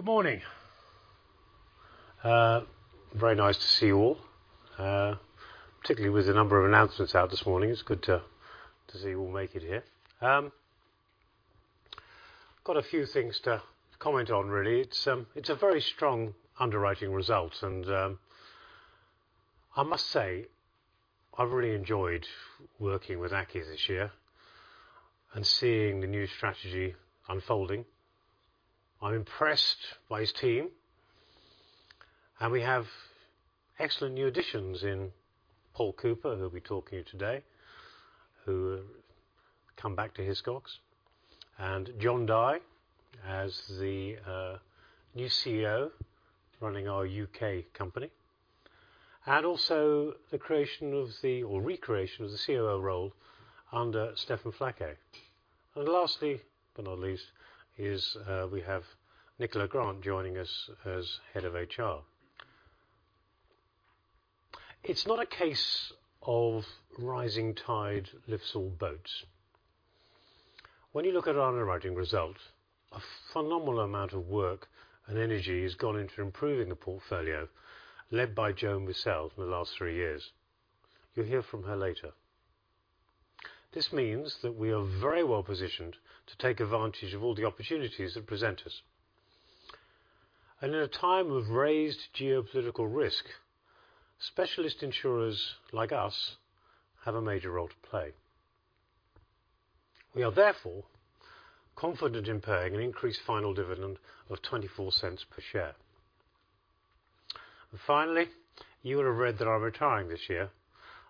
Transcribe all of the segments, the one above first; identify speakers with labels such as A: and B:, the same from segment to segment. A: Good morning. Very nice to see you all. Particularly with the number of announcements out this morning, it's good to see you all make it here. Got a few things to comment on really. It's a very strong underwriting result. I must say I really enjoyed working with Aki this year and seeing the new strategy unfolding. I'm impressed by his team. We have excellent new additions in Paul Cooper, who'll be talking to you today, who come back to Hiscox. Jon Dye as the new CEO running our UK company. Also the creation or recreation of the COO role under Stéphane Flaquet. Lastly, but not least, is we have Nicola Grant joining us as head of HR. It's not a case of rising tide lifts all boats. When you look at our underwriting result, a phenomenal amount of work and energy has gone into improving the portfolio, led by Joanne Musselle for the last three years. You'll hear from her later. This means that we are very well positioned to take advantage of all the opportunities that present us. In a time of raised geopolitical risk, specialist insurers like us have a major role to play. We are therefore confident in paying an increased final dividend of $0.24 per share. Finally, you will have read that I'm retiring this year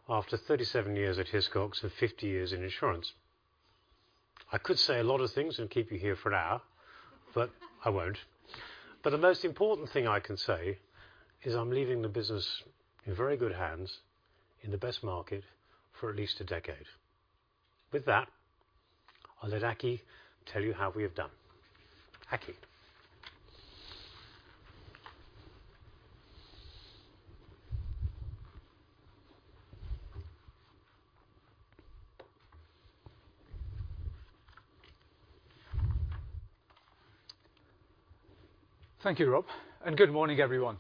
A: after 37 years at Hiscox and 50 years in insurance. I could say a lot of things and keep you here for an hour, but I won't. The most important thing I can say is I'm leaving the business in very good hands in the best market for at least a decade. With that, I'll let Aki tell you how we have done. Aki.
B: Thank you, Rob. Good morning, everyone.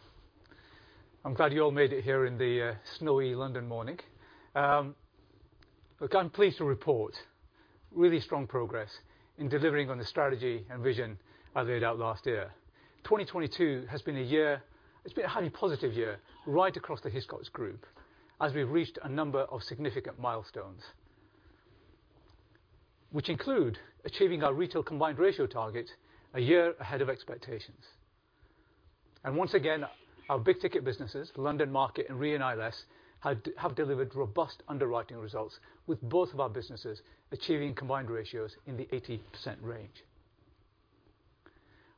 B: I'm glad you all made it here in the snowy London morning. Look, I'm pleased to report really strong progress in delivering on the strategy and vision I laid out last year. 2022 has been a highly positive year right across the Hiscox Group as we've reached a number of significant milestones, which include achieving our retail combined ratio target a year ahead of expectations. Once again, our big-ticket businesses, London Market and Re & ILS, have delivered robust underwriting results with both of our businesses achieving combined ratios in the 80% range.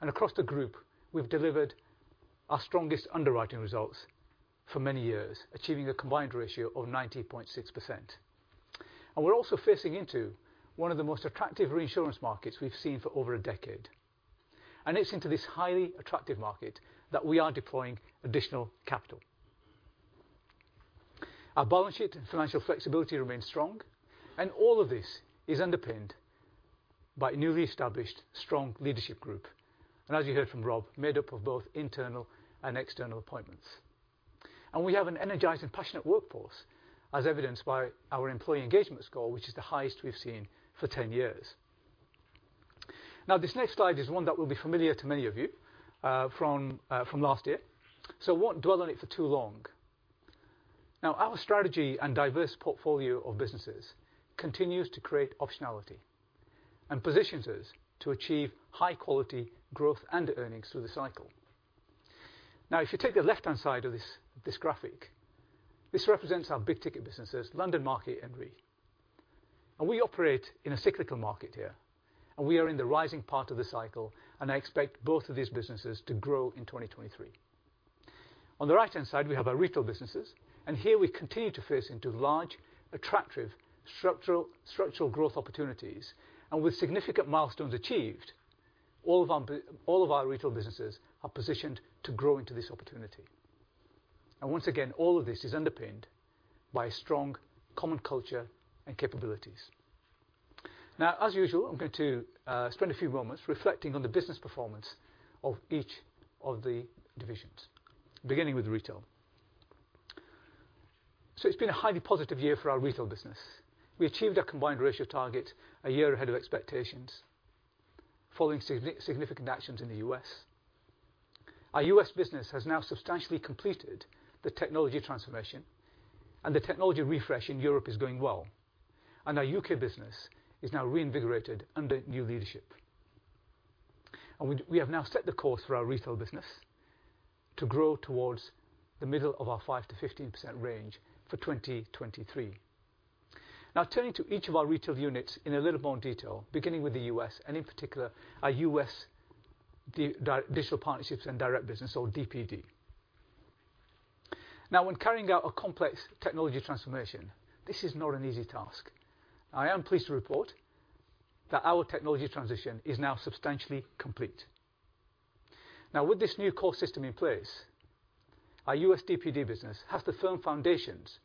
B: Across the group, we've delivered our strongest underwriting results for many years, achieving a combined ratio of 90.6%. We're also facing into one of the most attractive reinsurance markets we've seen for over a decade. It's into this highly attractive market that we are deploying additional capital. Our balance sheet and financial flexibility remains strong, all of this is underpinned by a newly established strong leadership group, and as you heard from Rob, made up of both internal and external appointments. We have an energized and passionate workforce, as evidenced by our employee engagement score, which is the highest we've seen for 10 years. This next slide is one that will be familiar to many of you, from last year, so I won't dwell on it for too long. Our strategy and diverse portfolio of businesses continues to create optionality and positions us to achieve high quality growth and earnings through the cycle. If you take the left-hand side of this graphic, this represents our big-ticket businesses, London Market and Re. We operate in a cyclical market here, and we are in the rising part of the cycle, and I expect both of these businesses to grow in 2023. On the right-hand side, we have our retail businesses, and here we continue to face into large, attractive structural growth opportunities. With significant milestones achieved, all of our retail businesses are positioned to grow into this opportunity. Once again, all of this is underpinned by strong common culture and capabilities. As usual, I'm going to spend a few moments reflecting on the business performance of each of the divisions, beginning with retail. It's been a highly positive year for our retail business. We achieved our combined ratio target a year ahead of expectations following significant actions in the U.S. Our U.S. business has now substantially completed the technology transformation, and the technology refresh in Europe is going well. Our U.K. business is now reinvigorated under new leadership. We have now set the course for our retail business to grow towards the middle of our 5%-15% range for 2023. Now turning to each of our retail units in a little more detail, beginning with the U.S. and in particular our U.S. digital partnerships and direct business or DPD. Now when carrying out a complex technology transformation, this is not an easy task. I am pleased to report that our technology transition is now substantially complete. Now with this new core system in place, our USDPD business has the firm foundations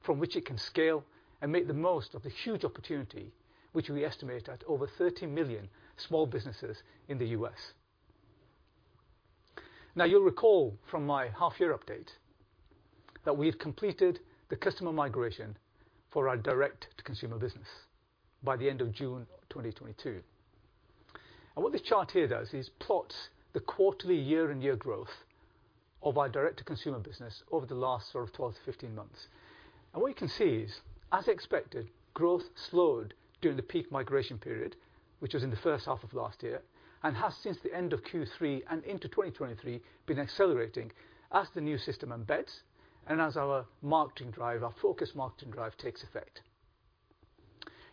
B: from which it can scale and make the most of the huge opportunity, which we estimate at over 30 million small businesses in the US. Now, you'll recall from my half-year update that we've completed the customer migration for our direct-to-consumer business by the end of June 2022. What this chart here does is plot the quarterly year-over-year growth of our direct-to-consumer business over the last sort of 12 months-15 months. What you can see is, as expected, growth slowed during the peak migration period, which was in the first half of last year, and has since the end of Q3 and into 2023 been accelerating as the new system embeds and as our marketing drive, our focus marketing drive takes effect.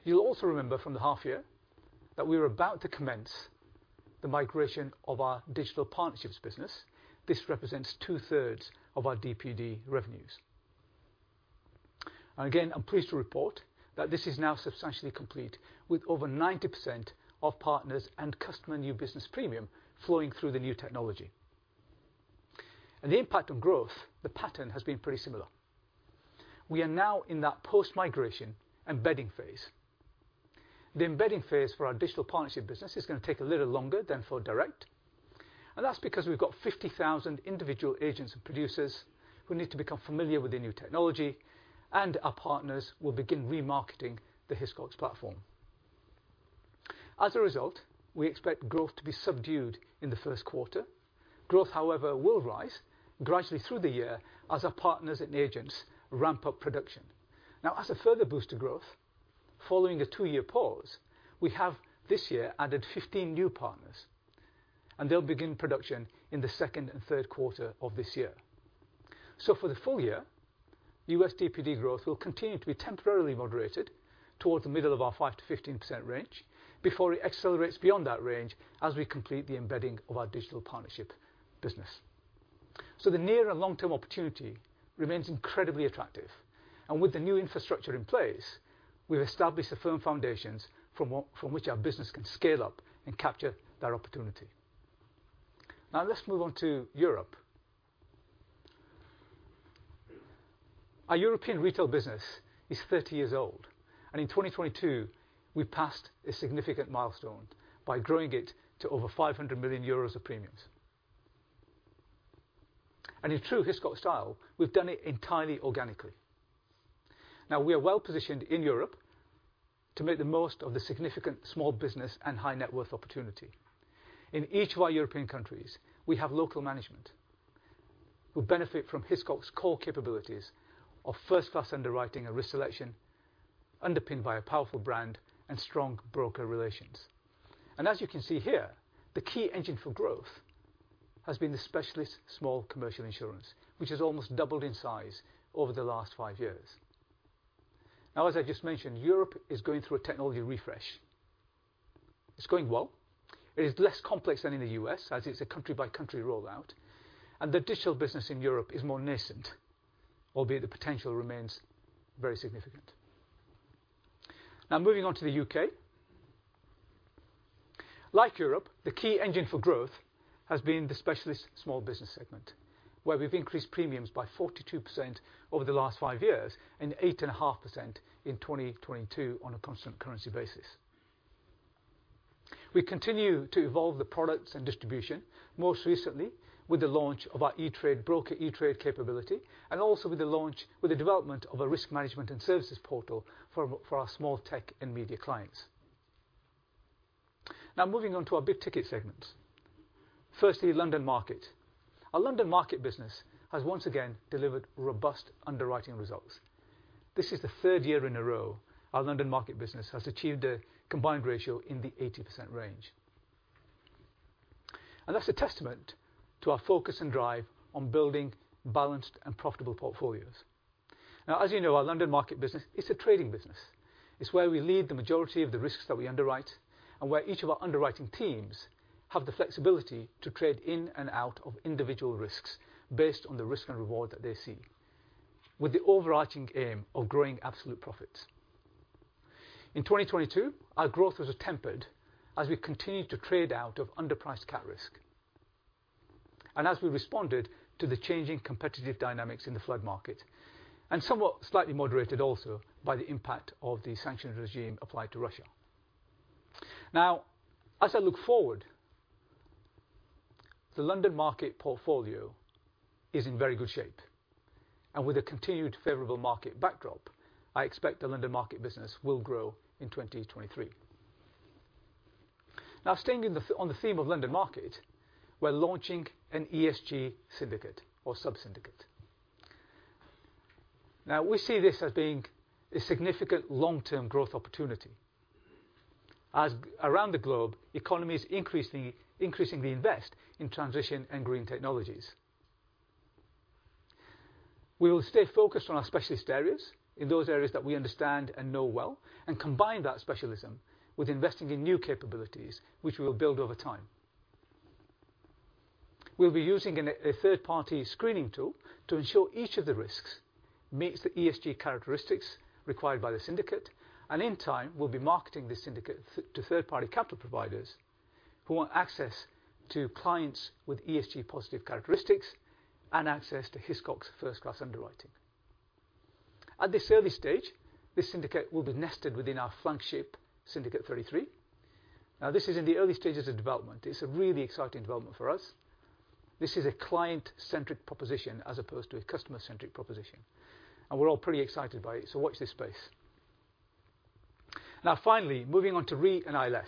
B: You'll also remember from the half year that we were about to commence the migration of our digital partnerships business. This represents two-thirds of our DPD revenues. Again, I'm pleased to report that this is now substantially complete, with over 90% of partners and customer new business premium flowing through the new technology. The impact on growth, the pattern has been pretty similar. We are now in that post-migration embedding phase. The embedding phase for our digital partnership business is going to take a little longer than for direct, and that's because we've got 50,000 individual agents and producers who need to become familiar with the new technology, and our partners will begin remarketing the Hiscox platform. As a result, we expect growth to be subdued in the first quarter. Growth, however, will rise gradually through the year as our partners and agents ramp up production. As a further boost to growth, following a two-year pause, we have this year added 15 new partners, and they'll begin production in the second and third quarter of this year. For the full year, USDPD growth will continue to be temporarily moderated towards the middle of our 5%-15% range before it accelerates beyond that range as we complete the embedding of our digital partnership business. The near and long-term opportunity remains incredibly attractive. With the new infrastructure in place, we've established the firm foundations from which our business can scale up and capture that opportunity. Let's move on to Europe. Our European retail business is 30 years old, and in 2022, we passed a significant milestone by growing it to over 500 million euros of premiums. In true Hiscox style, we've done it entirely organically. We are well-positioned in Europe to make the most of the significant small business and high net worth opportunity. In each of our European countries, we have local management who benefit from Hiscox core capabilities of first-class underwriting and risk selection, underpinned by a powerful brand and strong broker relations. As you can see here, the key engine for growth has been the specialist small commercial insurance, which has almost doubled in size over the last five years. As I just mentioned, Europe is going through a technology refresh. It's going well. It is less complex than in the US, as it's a country-by-country rollout. The digital business in Europe is more nascent, albeit the potential remains very significant. Moving on to the UK. Like Europe, the key engine for growth has been the specialist small business segment, where we've increased premiums by 42% over the last five years and 8.5% in 2022 on a constant currency basis. We continue to evolve the products and distribution, most recently with the launch of our eTrade broker eTrade capability and also with the development of a risk management and services portal for our small tech and media clients. Moving on to our big ticket segments. Firstly, London Market. Our London Market business has once again delivered robust underwriting results. This is the third year in a row our London Market business has achieved a combined ratio in the 80% range. That's a testament to our focus and drive on building balanced and profitable portfolios. Now, as you know, our London Market business is a trading business. It's where we lead the majority of the risks that we underwrite and where each of our underwriting teams have the flexibility to trade in and out of individual risks based on the risk and reward that they see, with the overarching aim of growing absolute profits. In 2022, our growth was tempered as we continued to trade out of underpriced cat risk and as we responded to the changing competitive dynamics in the flood market, and somewhat slightly moderated also by the impact of the sanctions regime applied to Russia. Now, as I look forward, the London Market portfolio is in very good shape. With a continued favorable market backdrop, I expect the London Market business will grow in 2023. Staying on the theme of London Market, we're launching an ESG syndicate or sub-syndicate. We see this as being a significant long-term growth opportunity as around the globe economies increasingly invest in transition and green technologies. We will stay focused on our specialist areas in those areas that we understand and know well and combine that specialism with investing in new capabilities, which we will build over time. We'll be using a third-party screening tool to ensure each of the risks meets the ESG characteristics required by the syndicate, and in time, we'll be marketing this syndicate to third-party capital providers who want access to clients with ESG positive characteristics and access to Hiscox first class underwriting. At the service stage, this syndicate will be nested within our flagship Syndicate 33. This is in the early stages of development. It's a really exciting development for us. This is a client-centric proposition as opposed to a customer-centric proposition. We're all pretty excited by it, watch this space. Finally, moving on to Re and ILS.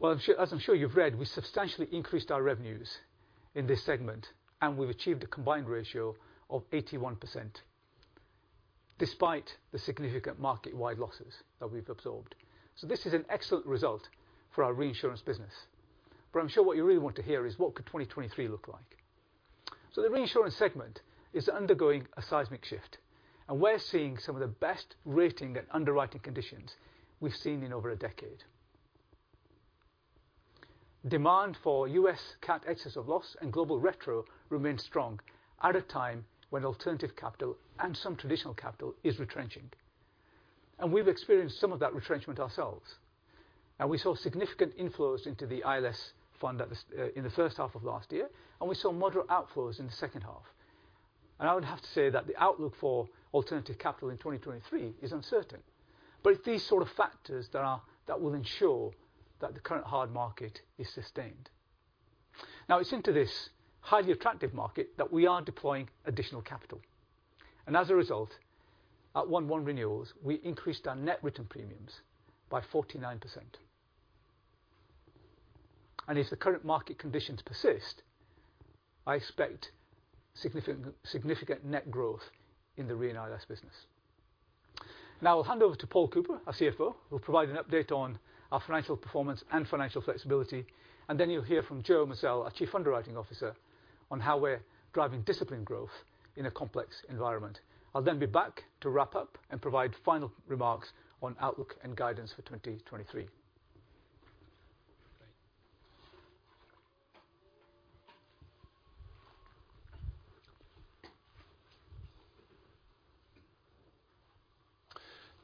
B: Well, as I'm sure you've read, we substantially increased our revenues in this segment. We've achieved a combined ratio of 81% despite the significant market-wide losses that we've absorbed. This is an excellent result for our reinsurance business. I'm sure what you really want to hear is what could 2023 look like. The reinsurance segment is undergoing a seismic shift. We're seeing some of the best rating at underwriting conditions we've seen in over a decade. Demand for U.S. cat excess of loss and global retro remains strong at a time when alternative capital and some traditional capital is retrenching, we've experienced some of that retrenchment ourselves. We saw significant inflows into the ILS fund in the first half of last year, we saw moderate outflows in the second half. I would have to say that the outlook for alternative capital in 2023 is uncertain. It's these sort of factors that will ensure that the current hard market is sustained. It's into this highly attractive market that we are deploying additional capital. As a result, at 1/1 renewals, we increased our net written premiums by 49%. If the current market conditions persist, I expect significant net growth in the Re & ILS business. I'll hand over to Paul Cooper, our CFO, who'll provide an update on our financial performance and financial flexibility. You'll hear from Joanne Musselle, our Group Chief Underwriting Officer, on how we're driving disciplined growth in a complex environment. I'll be back to wrap up and provide final remarks on outlook and guidance for 2023.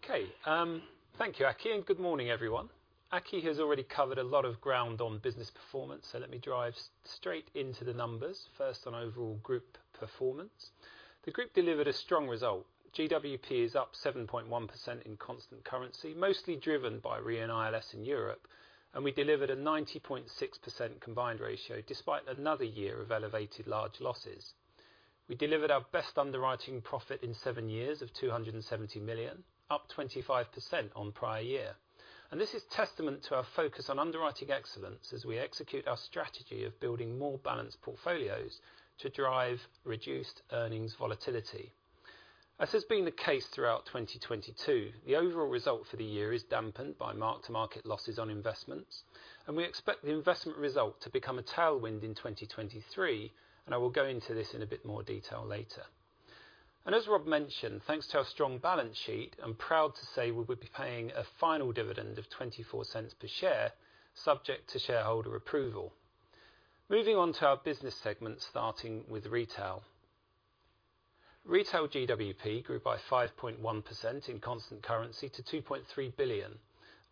C: Okay. Thank you, Aki, good morning, everyone. Aki has already covered a lot of ground on business performance, let me drive straight into the numbers, first on overall group performance. The group delivered a strong result. GWP is up 7.1% in constant currency, mostly driven by Re and ILS in Europe, we delivered a 90.6% combined ratio despite another year of elevated large losses. We delivered our best underwriting profit in seven years of $270 million, up 25% on prior year. This is testament to our focus on underwriting excellence as we execute our strategy of building more balanced portfolios to drive reduced earnings volatility. As has been the case throughout 2022, the overall result for the year is dampened by mark-to-market losses on investments. We expect the investment result to become a tailwind in 2023, I will go into this in a bit more detail later. As Rob mentioned, thanks to our strong balance sheet, I'm proud to say we will be paying a final dividend of $0.24 per share, subject to shareholder approval. Moving on to our business segment, starting with retail. Retail GWP grew by 5.1% in constant currency to $2.3 billion,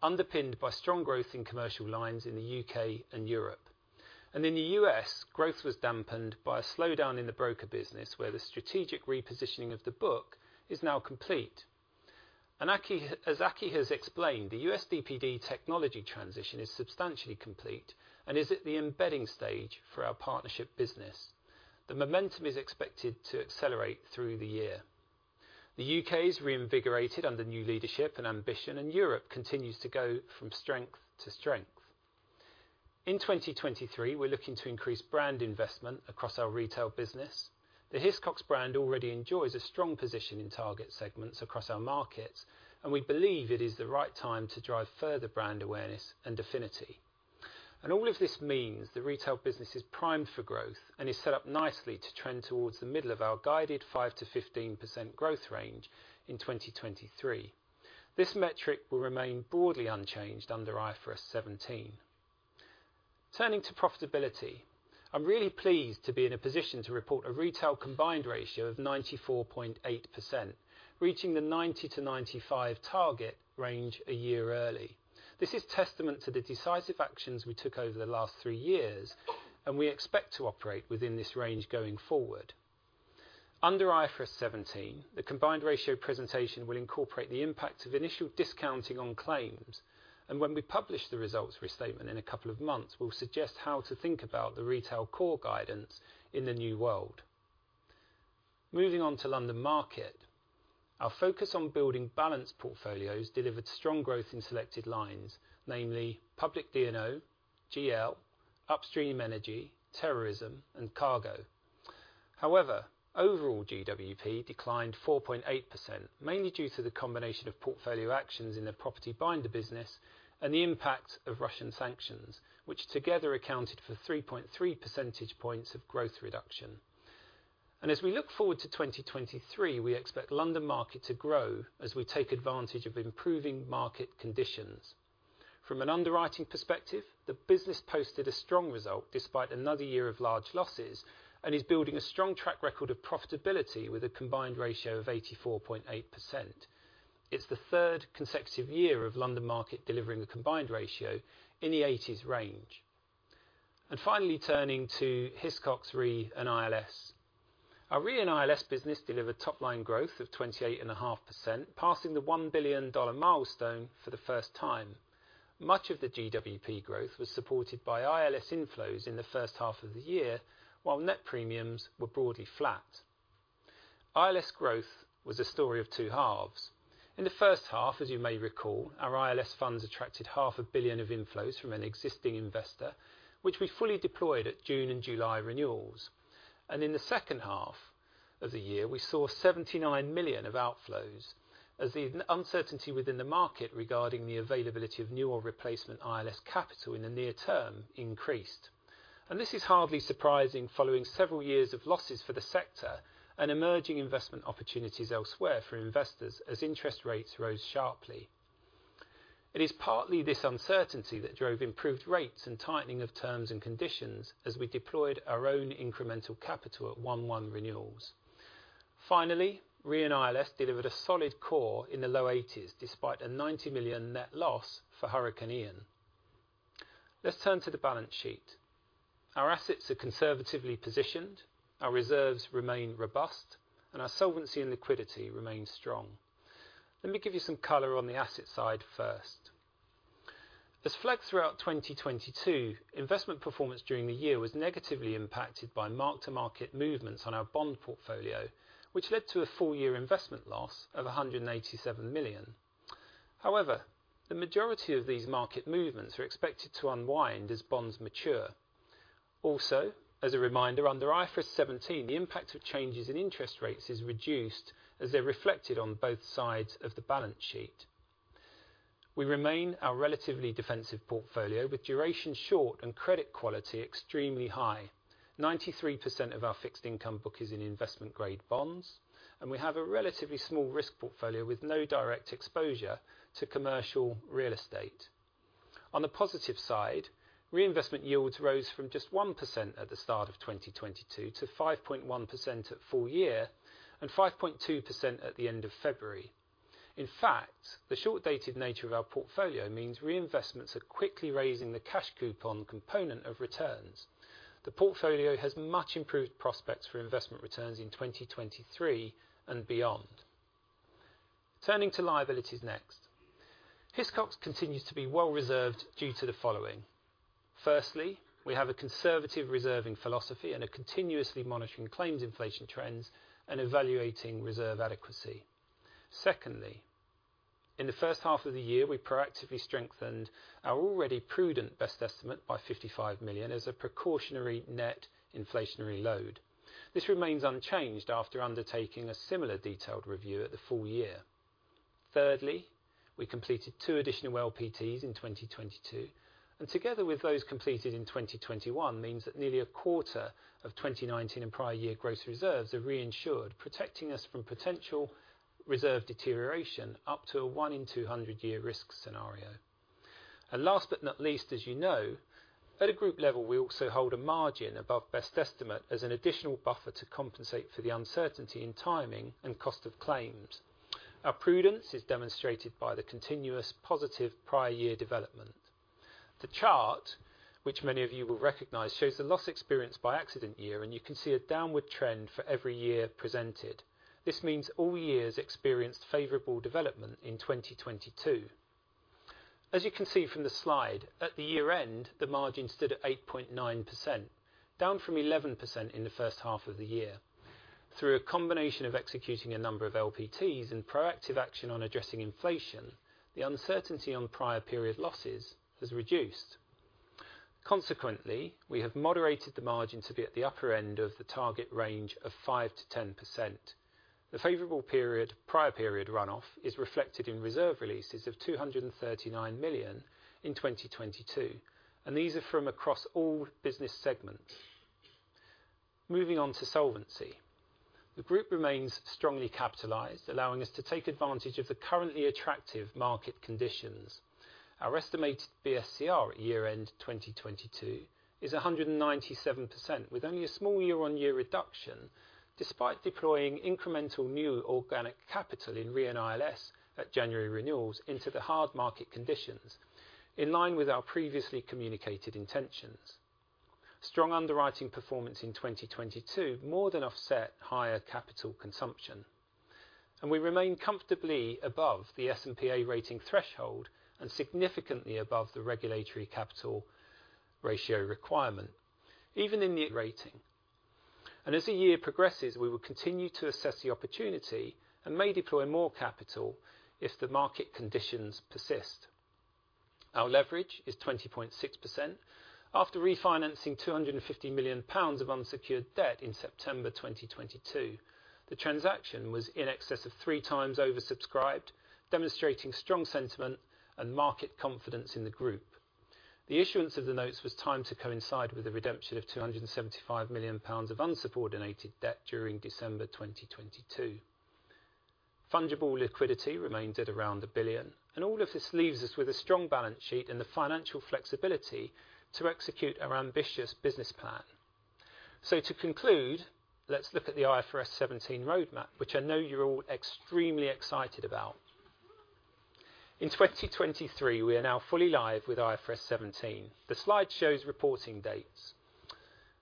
C: underpinned by strong growth in commercial lines in the U.K. and Europe. In the U.S., growth was dampened by a slowdown in the broker business where the strategic repositioning of the book is now complete. As Aki has explained, the USDPD technology transition is substantially complete and is at the embedding stage for our partnership business. The momentum is expected to accelerate through the year. The U.K. is reinvigorated under new leadership and ambition, and Europe continues to go from strength to strength. In 2023, we're looking to increase brand investment across our retail business. The Hiscox brand already enjoys a strong position in target segments across our markets, and we believe it is the right time to drive further brand awareness and affinity. All of this means the retail business is primed for growth and is set up nicely to trend towards the middle of our guided 5%-15% growth range in 2023. This metric will remain broadly unchanged under IFRS 17. Turning to profitability. I'm really pleased to be in a position to report a retail combined ratio of 94.8%, reaching the 90%-95% target range a year early. This is testament to the decisive actions we took over the last three years. We expect to operate within this range going forward. Under IFRS 17, the combined ratio presentation will incorporate the impact of initial discounting on claims. When we publish the results restatement in a couple of months, we'll suggest how to think about the retail core guidance in the new world. Moving on to London Market. Our focus on building balanced portfolios delivered strong growth in selected lines, namely public D&O, GL, upstream energy, terrorism, and cargo. However, overall GWP declined 4.8%, mainly due to the combination of portfolio actions in the property binder business and the impact of Russian sanctions, which together accounted for 3.3 percentage points of growth reduction. As we look forward to 2023, we expect London Market to grow as we take advantage of improving market conditions. From an underwriting perspective, the business posted a strong result despite another year of large losses, and is building a strong track record of profitability with a combined ratio of 84.8%. It's the third consecutive year of London Market delivering a combined ratio in the 80s range. Finally, turning to Hiscox Re and ILS. Our Re and ILS business delivered top-line growth of 28.5%, passing the $1 billion milestone for the first time. Much of the GWP growth was supported by ILS inflows in the first half of the year, while net premiums were broadly flat. ILS growth was a story of two halves. In the first half, as you may recall, our ILS funds attracted half a billion of inflows from an existing investor, which we fully deployed at June and July renewals. In the second half of the year, we saw $79 million of outflows as the uncertainty within the market regarding the availability of new or replacement ILS capital in the near term increased. This is hardly surprising following several years of losses for the sector and emerging investment opportunities elsewhere for investors as interest rates rose sharply. It is partly this uncertainty that drove improved rates and tightening of terms and conditions as we deployed our own incremental capital at 1/1 renewals. Re and ILS delivered a solid core in the low 80s, despite a $90 million net loss for Hurricane Ian. Let's turn to the balance sheet. Our assets are conservatively positioned, our reserves remain robust, and our solvency and liquidity remain strong. Let me give you some color on the asset side first. As flagged throughout 2022, investment performance during the year was negatively impacted by mark-to-market movements on our bond portfolio, which led to a full year investment loss of $187 million. However, the majority of these market movements are expected to unwind as bonds mature. As a reminder, under IFRS 17, the impact of changes in interest rates is reduced as they're reflected on both sides of the balance sheet. We remain our relatively defensive portfolio with duration short and credit quality extremely high. 93% of our fixed income book is in investment-grade bonds, and we have a relatively small risk portfolio with no direct exposure to commercial real estate. On the positive side, reinvestment yields rose from just 1% at the start of 2022 to 5.1% at full year and 5.2% at the end of February. In fact, the short-dated nature of our portfolio means reinvestments are quickly raising the cash coupon component of returns. The portfolio has much improved prospects for investment returns in 2023 and beyond. Turning to liabilities next. Hiscox continues to be well-reserved due to the following. Firstly, we have a conservative reserving philosophy and are continuously monitoring claims inflation trends and evaluating reserve adequacy. Secondly, in the first half of the year, we proactively strengthened our already prudent best estimate by $55 million as a precautionary net inflationary load. This remains unchanged after undertaking a similar detailed review at the full year. Thirdly, we completed two additional LPTs in 2022, and together with those completed in 2021, means that nearly a quarter of 2019 and prior year gross reserves are reinsured, protecting us from potential reserve deterioration up to a one in two hundred year risk scenario. Last but not least, as you know, at a group level, we also hold a margin above best estimate as an additional buffer to compensate for the uncertainty in timing and cost of claims. Our prudence is demonstrated by the continuous positive prior year development. The chart, which many of you will recognize, shows the loss experienced by accident year. You can see a downward trend for every year presented. This means all years experienced favorable development in 2022. As you can see from the slide, at the year-end, the margin stood at 8.9%, down from 11% in the first half of the year. Through a combination of executing a number of LPTs and proactive action on addressing inflation, the uncertainty on prior period losses has reduced. Consequently, we have moderated the margin to be at the upper end of the target range of 5%-10%. The favorable period, prior period run-off is reflected in reserve releases of 239 million in 2022, and these are from across all business segments. Moving on to solvency. The group remains strongly capitalized, allowing us to take advantage of the currently attractive market conditions. Our estimated BSCR at year-end 2022 is 197%, with only a small year-on-year reduction, despite deploying incremental new organic capital in Re & ILS at January renewals into the hard market conditions, in line with our previously communicated intentions. Strong underwriting performance in 2022 more than offset higher capital consumption. We remain comfortably above the S&P A rating threshold and significantly above the regulatory capital ratio requirement, even in the rating. As the year progresses, we will continue to assess the opportunity and may deploy more capital if the market conditions persist. Our leverage is 20.6%. After refinancing 250 million pounds of unsecured debt in September 2022, the transaction was in excess of 3x oversubscribed, demonstrating strong sentiment and market confidence in the group. The issuance of the notes was timed to coincide with the redemption of 275 million pounds of unsubordinated debt during December 2022. Fungible liquidity remained at around 1 billion. All of this leaves us with a strong balance sheet and the financial flexibility to execute our ambitious business plan. To conclude, let's look at the IFRS 17 roadmap, which I know you're all extremely excited about. In 2023, we are now fully live with IFRS 17. The slide shows reporting dates.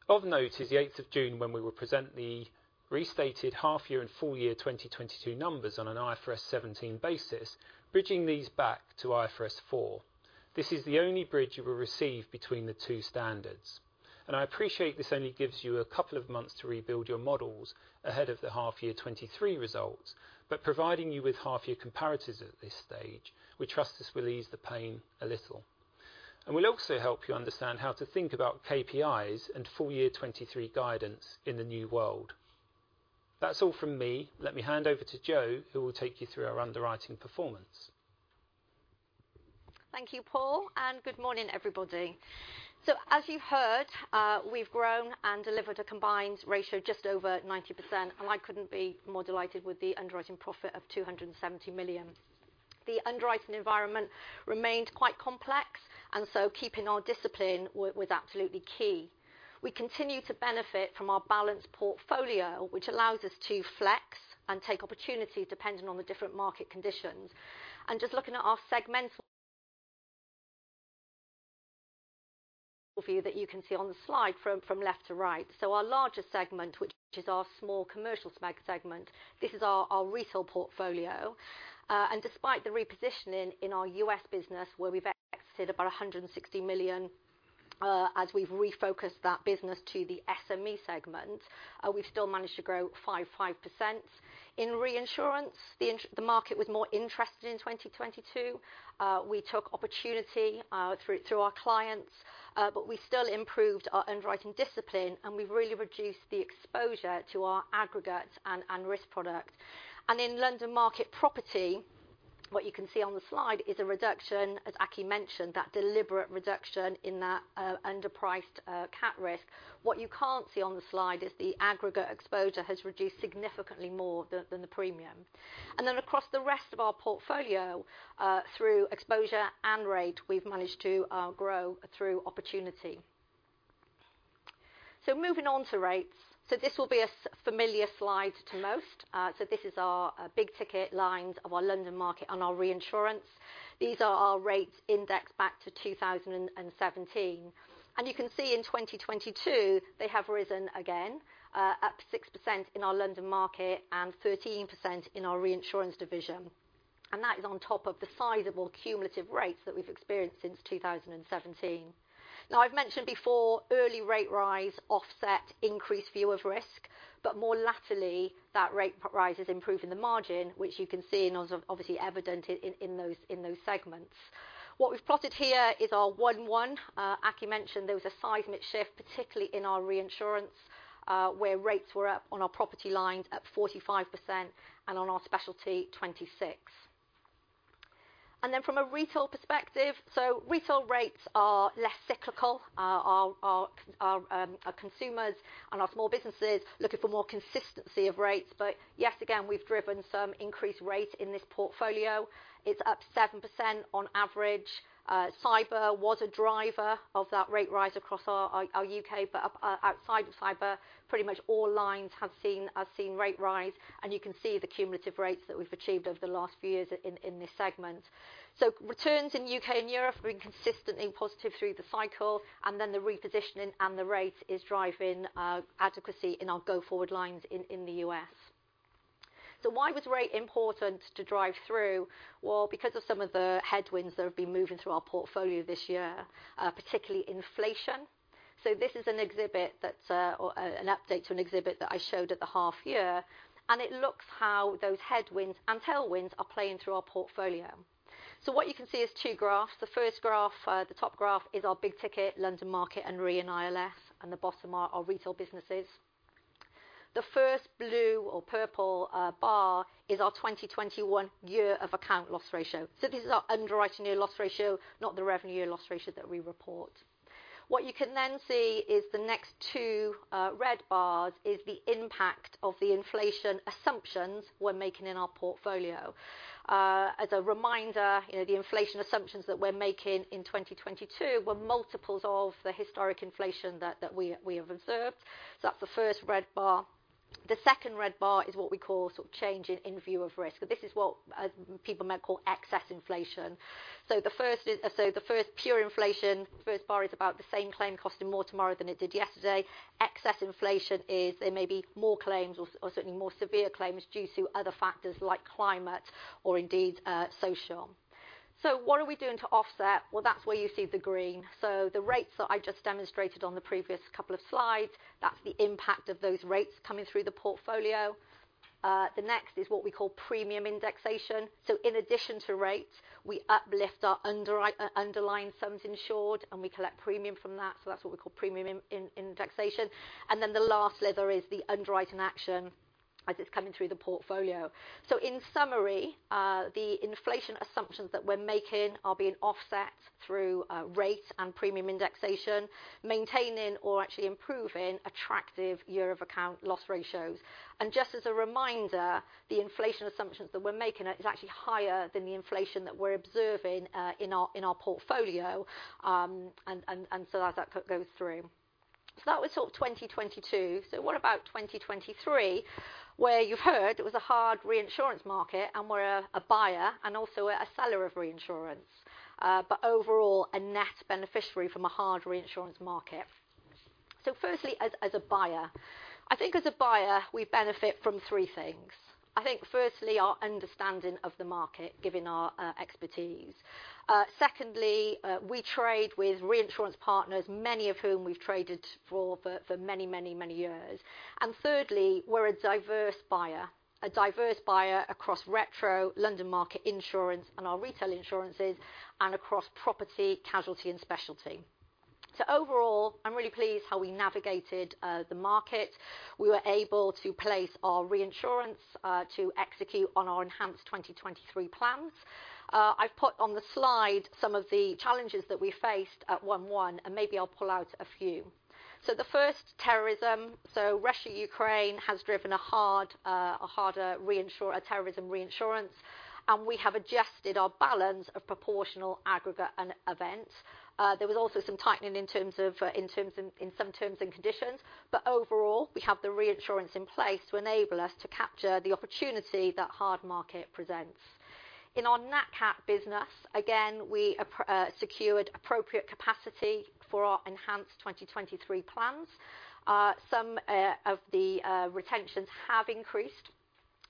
C: Of note is the eighth of June when we will present the restated half year and full year 2022 numbers on an IFRS 17 basis, bridging these back to IFRS 4. This is the only bridge you will receive between the two standards. I appreciate this only gives you a couple of months to rebuild your models ahead of the half year 2023 results. Providing you with half year comparatives at this stage, we trust this will ease the pain a little. Will also help you understand how to think about KPIs and full year 2023 guidance in the new world. That's all from me. Let me hand over to Jo, who will take you through our underwriting performance.
D: Thank you, Paul. Good morning, everybody. As you've heard, we've grown and delivered a combined ratio just over 90%. I couldn't be more delighted with the underwriting profit of $270 million. The underwriting environment remained quite complex, keeping our discipline was absolutely key. We continue to benefit from our balanced portfolio, which allows us to flex and take opportunities depending on the different market conditions. Just looking at our segmental view that you can see on the slide from left to right. Our largest segment, which is our small commercial segment, this is our retail portfolio. Despite the repositioning in our US business, where we've exited about $160 million, as we've refocused that business to the SME segment, we've still managed to grow 5%. In reinsurance, the market was more interested in 2022. We took opportunity through our clients, but we still improved our underwriting discipline, and we've really reduced the exposure to our aggregate and risk product. In London Market Property, what you can see on the slide is a reduction, as Aki mentioned, that deliberate reduction in that underpriced cat risk. What you can't see on the slide is the aggregate exposure has reduced significantly more than the premium. Across the rest of our portfolio, through exposure and rate, we've managed to grow through opportunity. Moving on to rates. This will be a familiar slide to most. This is our big ticket lines of our London Market and our reinsurance. These are our rates indexed back to 2017. You can see in 2022, they have risen again, up 6% in our London Market and 13% in our Reinsurance division. That is on top of the sizable cumulative rates that we've experienced since 2017. I've mentioned before early rate rise offset increased view of risk, but more latterly, that rate rise is improving the margin, which you can see and obviously evident in those segments. What we've plotted here is our 1/1. Aki mentioned there was a seismic shift, particularly in our Reinsurance, where rates were up on our property line at 45% and on our specialty, 26%. From a retail perspective, retail rates are less cyclical. Our consumers and our small businesses looking for more consistency of rates. Yet again, we've driven some increased rate in this portfolio. It's up 7% on average. Cyber was a driver of that rate rise across our U.K., but outside of Cyber, pretty much all lines have seen rate rise, and you can see the cumulative rates that we've achieved over the last few years in this segment. Returns in U.K. and Europe have been consistently positive through the cycle, and then the repositioning and the rate is driving adequacy in our go-forward lines in the U.S. Why was rate important to drive through? Well, because of some of the headwinds that have been moving through our portfolio this year, particularly inflation. This is an exhibit that, or an update to an exhibit that I showed at the half year, it looks how those headwinds and tailwinds are playing through our portfolio. You can see is two graphs. The first graph, the top graph is our big ticket, London Market and Re & ILS, and the bottom are our retail businesses. The first blue or purple bar is our 2021 year of account loss ratio. This is our underwriting year loss ratio, not the revenue year loss ratio that we report. You can then see is the next two red bars is the impact of the inflation assumptions we're making in our portfolio. As a reminder, you know, the inflation assumptions that we're making in 2022 were multiples of the historic inflation that we have observed. That's the first red bar. The second red bar is what we call change in view of risk. This is what people might call excess inflation. The first pure inflation, first bar is about the same claim costing more tomorrow than it did yesterday. Excess inflation is there may be more claims or certainly more severe claims due to other factors like climate or indeed social. What are we doing to offset? Well, that's where you see the green. The rates that I just demonstrated on the previous couple of slides, that's the impact of those rates coming through the portfolio. The next is what we call premium indexation. In addition to rates, we uplift our underlying sums insured, and we collect premium from that. That's what we call premium indexation. The last lever is the underwriting action as it's coming through the portfolio. In summary, the inflation assumptions that we're making are being offset through rate and premium indexation, maintaining or actually improving attractive year of account loss ratios. Just as a reminder, the inflation assumptions that we're making is actually higher than the inflation that we're observing in our portfolio, and so as that goes through. That was sort of 2022. What about 2023, where you've heard it was a hard reinsurance market and we're a buyer and also a seller of reinsurance. Overall a net beneficiary from a hard reinsurance market. Firstly, as a buyer. I think as a buyer, we benefit from three things. I think firstly, our understanding of the market, given our expertise. Secondly, we trade with reinsurance partners, many of whom we've traded for many years. Thirdly, we're a diverse buyer, a diverse buyer across retro, London Market insurance, and our retail insurances, and across property, casualty, and specialty. Overall, I'm really pleased how we navigated the market. We were able to place our reinsurance to execute on our enhanced 2023 plans. I've put on the slide some of the challenges that we faced at 1/1, and maybe I'll pull out a few. The first, terrorism. Russia, Ukraine has driven a harder terrorism reinsurance, and we have adjusted our balance of proportional aggregate and events. There was also some tightening in terms of, in some terms and conditions. Overall, we have the reinsurance in place to enable us to capture the opportunity that hard market presents. In our nat cat business, again, we secured appropriate capacity for our enhanced 2023 plans. Some of the retentions have increased,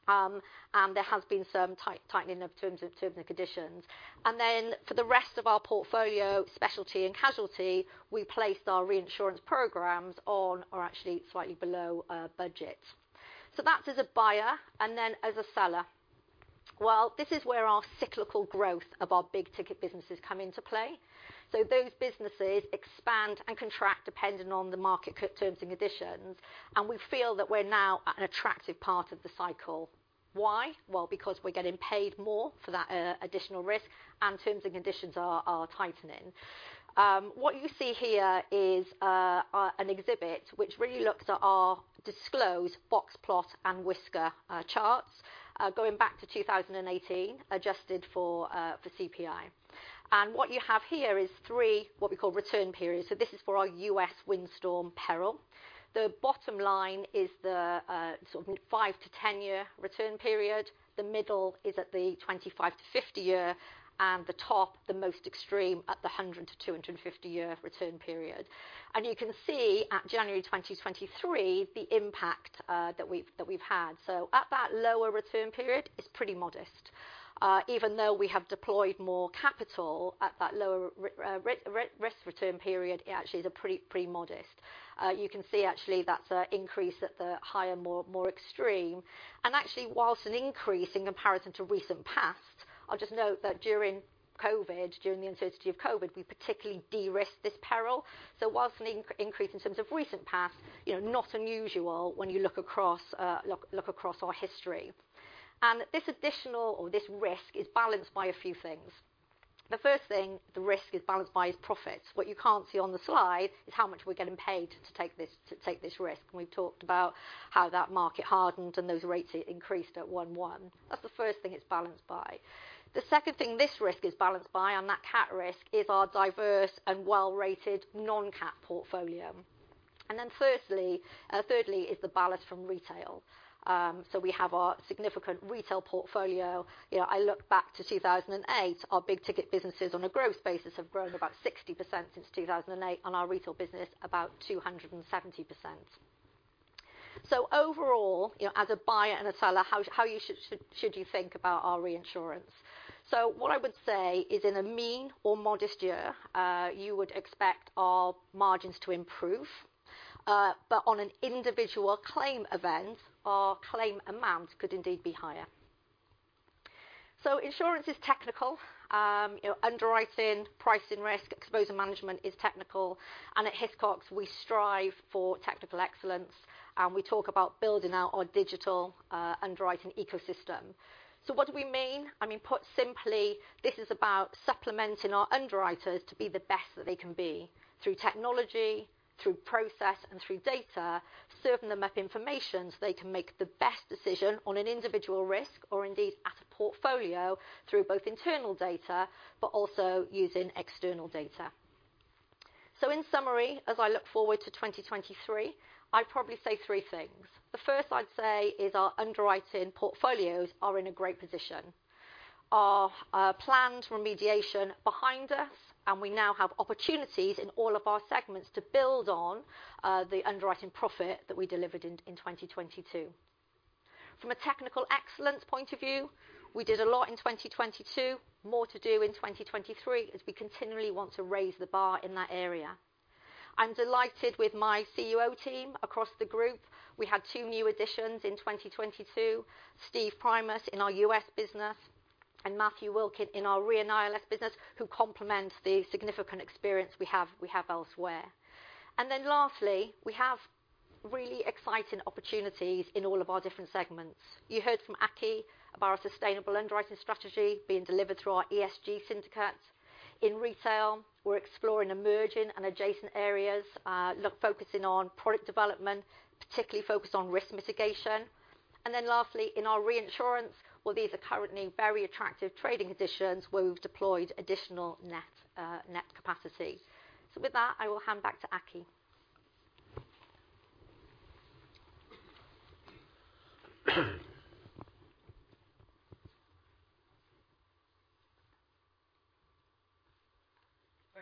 D: and there has been some tightening of terms and conditions. For the rest of our portfolio, specialty and casualty, we placed our reinsurance programs on or actually slightly below budget. That's as a buyer and then as a seller. This is where our cyclical growth of our big ticket businesses come into play. Those businesses expand and contract depending on the market terms and conditions, and we feel that we're now at an attractive part of the cycle. Why? Well, because we're getting paid more for that additional risk and terms and conditions are tightening. What you see here is an exhibit which really looks at our disclosed box plot and whisker charts going back to 2018, adjusted for CPI. What you have here is 3, what we call return periods. This is for our U.S. windstorm peril. The bottom line is the sort of 5-year to 10-year return period. The middle is at the 25-year to 50-year, and the top, the most extreme, at the 100-250 year return period. You can see at January 2023, the impact that we've had. At that lower return period, it's pretty modest. Even though we have deployed more capital at that lower re-risk return period, it actually is a pretty modest. You can see actually that's a increase at the higher, more extreme. Actually, whilst an increase in comparison to recent past, I'll just note that during COVID, during the uncertainty of COVID, we particularly de-risked this peril. Whilst an increase in terms of recent past, you know, not unusual when you look across our history. This additional or this risk is balanced by a few things. The first thing the risk is balanced by is profits. What you can't see on the slide is how much we're getting paid to take this risk. We've talked about how that market hardened and those rates increased at 1/1. That's the first thing it's balanced by. The second thing this risk is balanced by on that cat risk is our diverse and well-rated non-cat portfolio. Thirdly is the balance from retail. We have our significant retail portfolio. You know, I look back to 2008, our big ticket businesses on a growth basis have grown about 60% since 2008, and our retail business about 270%. Overall, you know, as a buyer and a seller, how you should think about our reinsurance? What I would say is in a mean or modest year, you would expect our margins to improve, but on an individual claim event, our claim amount could indeed be higher. Insurance is technical. You know, underwriting, pricing risk, exposure management is technical. At Hiscox, we strive for technical excellence, and we talk about building out our digital underwriting ecosystem. What do we mean? I mean, put simply, this is about supplementing our underwriters to be the best that they can be through technology, through process, and through data, serving them up information so they can make the best decision on an individual risk or indeed as a portfolio through both internal data, but also using external data. In summary, as I look forward to 2023, I'd probably say three things. The first I'd say is our underwriting portfolios are in a great position. Our planned remediation behind us, and we now have opportunities in all of our segments to build on the underwriting profit that we delivered in 2022. From a technical excellence point of view, we did a lot in 2022, more to do in 2023, as we continually want to raise the bar in that area. I'm delighted with my CUO team across the group. We had two new additions in 2022, Steve Prymas in our US business and Matthew Wilken in our Re & ILS business, who complement the significant experience we have elsewhere. We have really exciting opportunities in all of our different segments. You heard from Aki about our sustainable underwriting strategy being delivered through our ESG syndicate. In retail, we're exploring emerging and adjacent areas, focusing on product development, particularly focused on risk mitigation. Lastly, in our reinsurance, well, these are currently very attractive trading conditions where we've deployed additional net capacity. With that, I will hand back to Aki.
B: Thank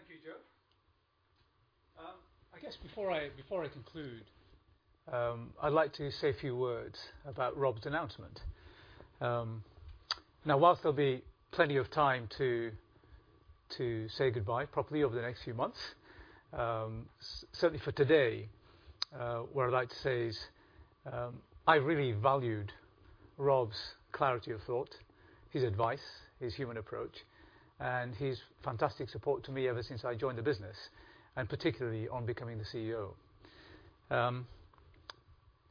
B: you, Jo. I guess before I conclude, I'd like to say a few words about Rob's announcement. Now, while there'll be plenty of time to say goodbye properly over the next few months, certainly for today, what I'd like to say is, I really valued Rob's clarity of thought, his advice, his human approach, and his fantastic support to me ever since I joined the business, and particularly on becoming the CEO.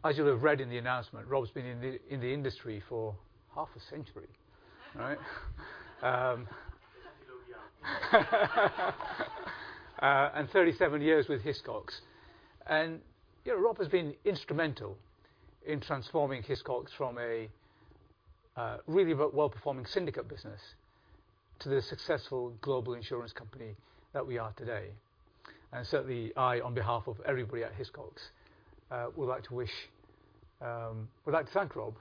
B: As you'll have read in the announcement, Rob's been in the industry for half a century, right?
C: A little young.
B: 37 years with Hiscox. You know, Rob has been instrumental in transforming Hiscox from a really well-performing syndicate business to the successful global insurance company that we are today. Certainly I, on behalf of everybody at Hiscox, would like to thank Rob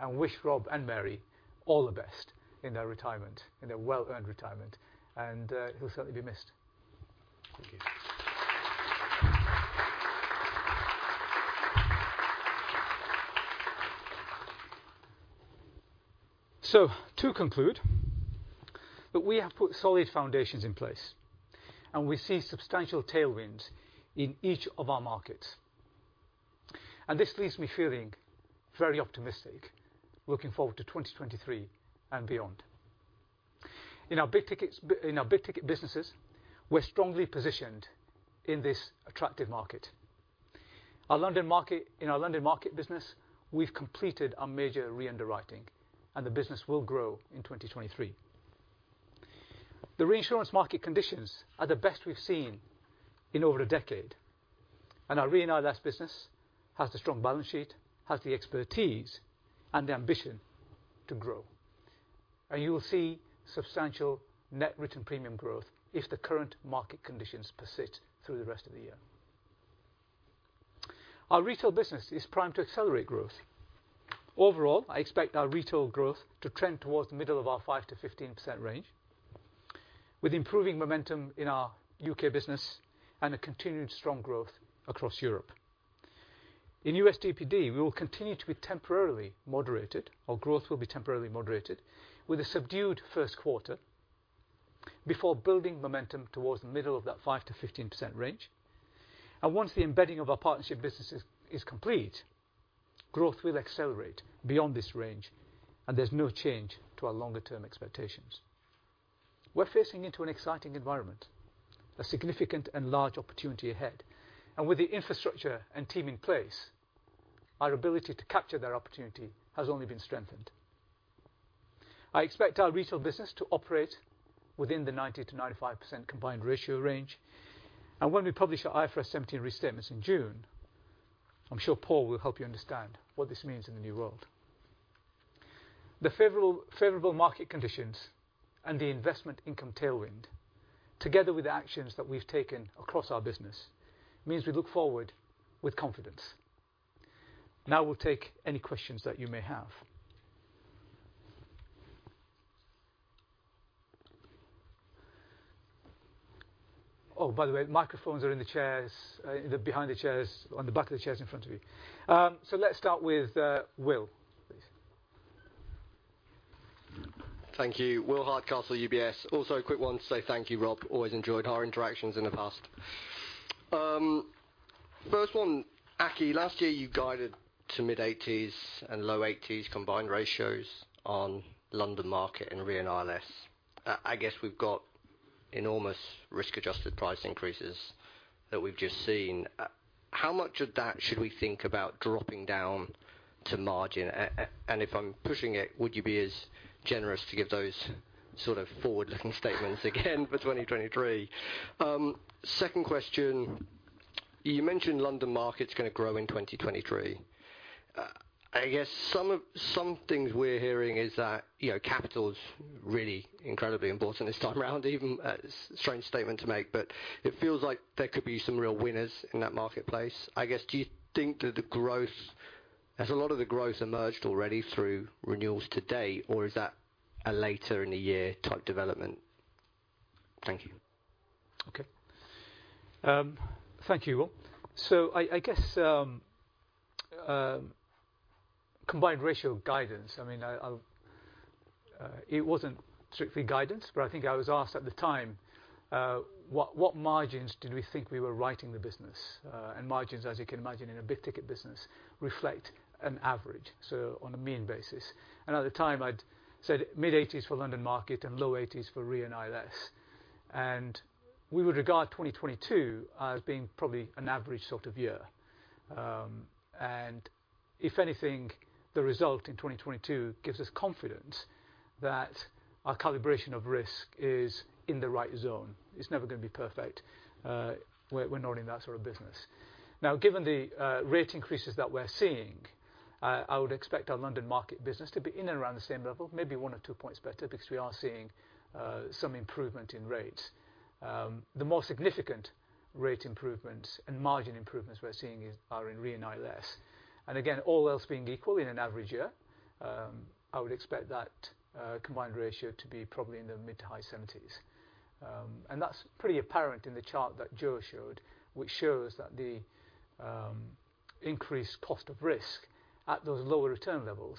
B: and wish Rob and Mary all the best in their retirement, in their well-earned retirement. He'll certainly be missed. Thank you. To conclude, that we have put solid foundations in place and we see substantial tailwinds in each of our markets. This leaves me feeling very optimistic looking forward to 2023 and beyond. In our big tickets, in our big ticket businesses, we're strongly positioned in this attractive market. Our London Market, in our London Market business, we've completed our major re-underwriting and the business will grow in 2023. The reinsurance market conditions are the best we've seen in over a decade. Our Re & ILS business has the strong balance sheet, has the expertise and the ambition to grow. You will see substantial net written premium growth if the current market conditions persist through the rest of the year. Our retail business is primed to accelerate growth. Overall, I expect our retail growth to trend towards the middle of our 5%-15% range, with improving momentum in our UK business and a continued strong growth across Europe. In USDPD, we will continue to be temporarily moderated, or growth will be temporarily moderated with a subdued first quarter before building momentum towards the middle of that 5%-15% range. Once the embedding of our partnership business is complete, growth will accelerate beyond this range, and there's no change to our longer term expectations. We're facing into an exciting environment, a significant and large opportunity ahead. With the infrastructure and team in place, our ability to capture that opportunity has only been strengthened. I expect our retail business to operate within the 90%-95% combined ratio range. When we publish our IFRS 17 restatements in June, I'm sure Paul will help you understand what this means in the new world. The favorable market conditions and the investment income tailwind, together with the actions that we've taken across our business, means we look forward with confidence. Now we'll take any questions that you may have. Oh, by the way, microphones are in the chairs, behind the chairs, on the back of the chairs in front of you. Let's start with Will, please.
E: Thank you. Will Hardcastle, UBS. A quick one to say thank you, Rob. Always enjoyed our interactions in the past. First one, Aki, last year you guided to mid-80s and low 80s combined ratios on London Market and Re & ILS. I guess we've got enormous risk-adjusted price increases that we've just seen. How much of that should we think about dropping down to margin? If I'm pushing it, would you be as generous to give those sort of forward-looking statements again for 2023? Second question. You mentioned London Market's gonna grow in 2023. I guess some things we're hearing is that, you know, capital's really incredibly important this time around. A strange statement to make, but it feels like there could be some real winners in that marketplace. I guess, do you think that the growth, has a lot of the growth emerged already through renewals to date, or is that a later in the year type development? Thank you.
B: Okay. Thank you, Will. I guess combined ratio guidance, it wasn't strictly guidance, but I think I was asked at the time what margins did we think we were writing the business? Margins, as you can imagine, in a big ticket business reflect an average, so on a mean basis. At the time, I'd said mid-80s for London Market and low 80s for Re and ILS. We would regard 2022 as being probably an average sort of year. If anything, the result in 2022 gives us confidence that our calibration of risk is in the right zone. It's never gonna be perfect. We're not in that sort of business. Now, given the rate increases that we're seeing, I would expect our London Market business to be in and around the same level, maybe one or two points better because we are seeing some improvement in rates. The more significant rate improvements and margin improvements we're seeing are in Re & ILS. All else being equal in an average year, I would expect that combined ratio to be probably in the mid to high seventies. That's pretty apparent in the chart that Jo showed, which shows that the increased cost of risk at those lower return levels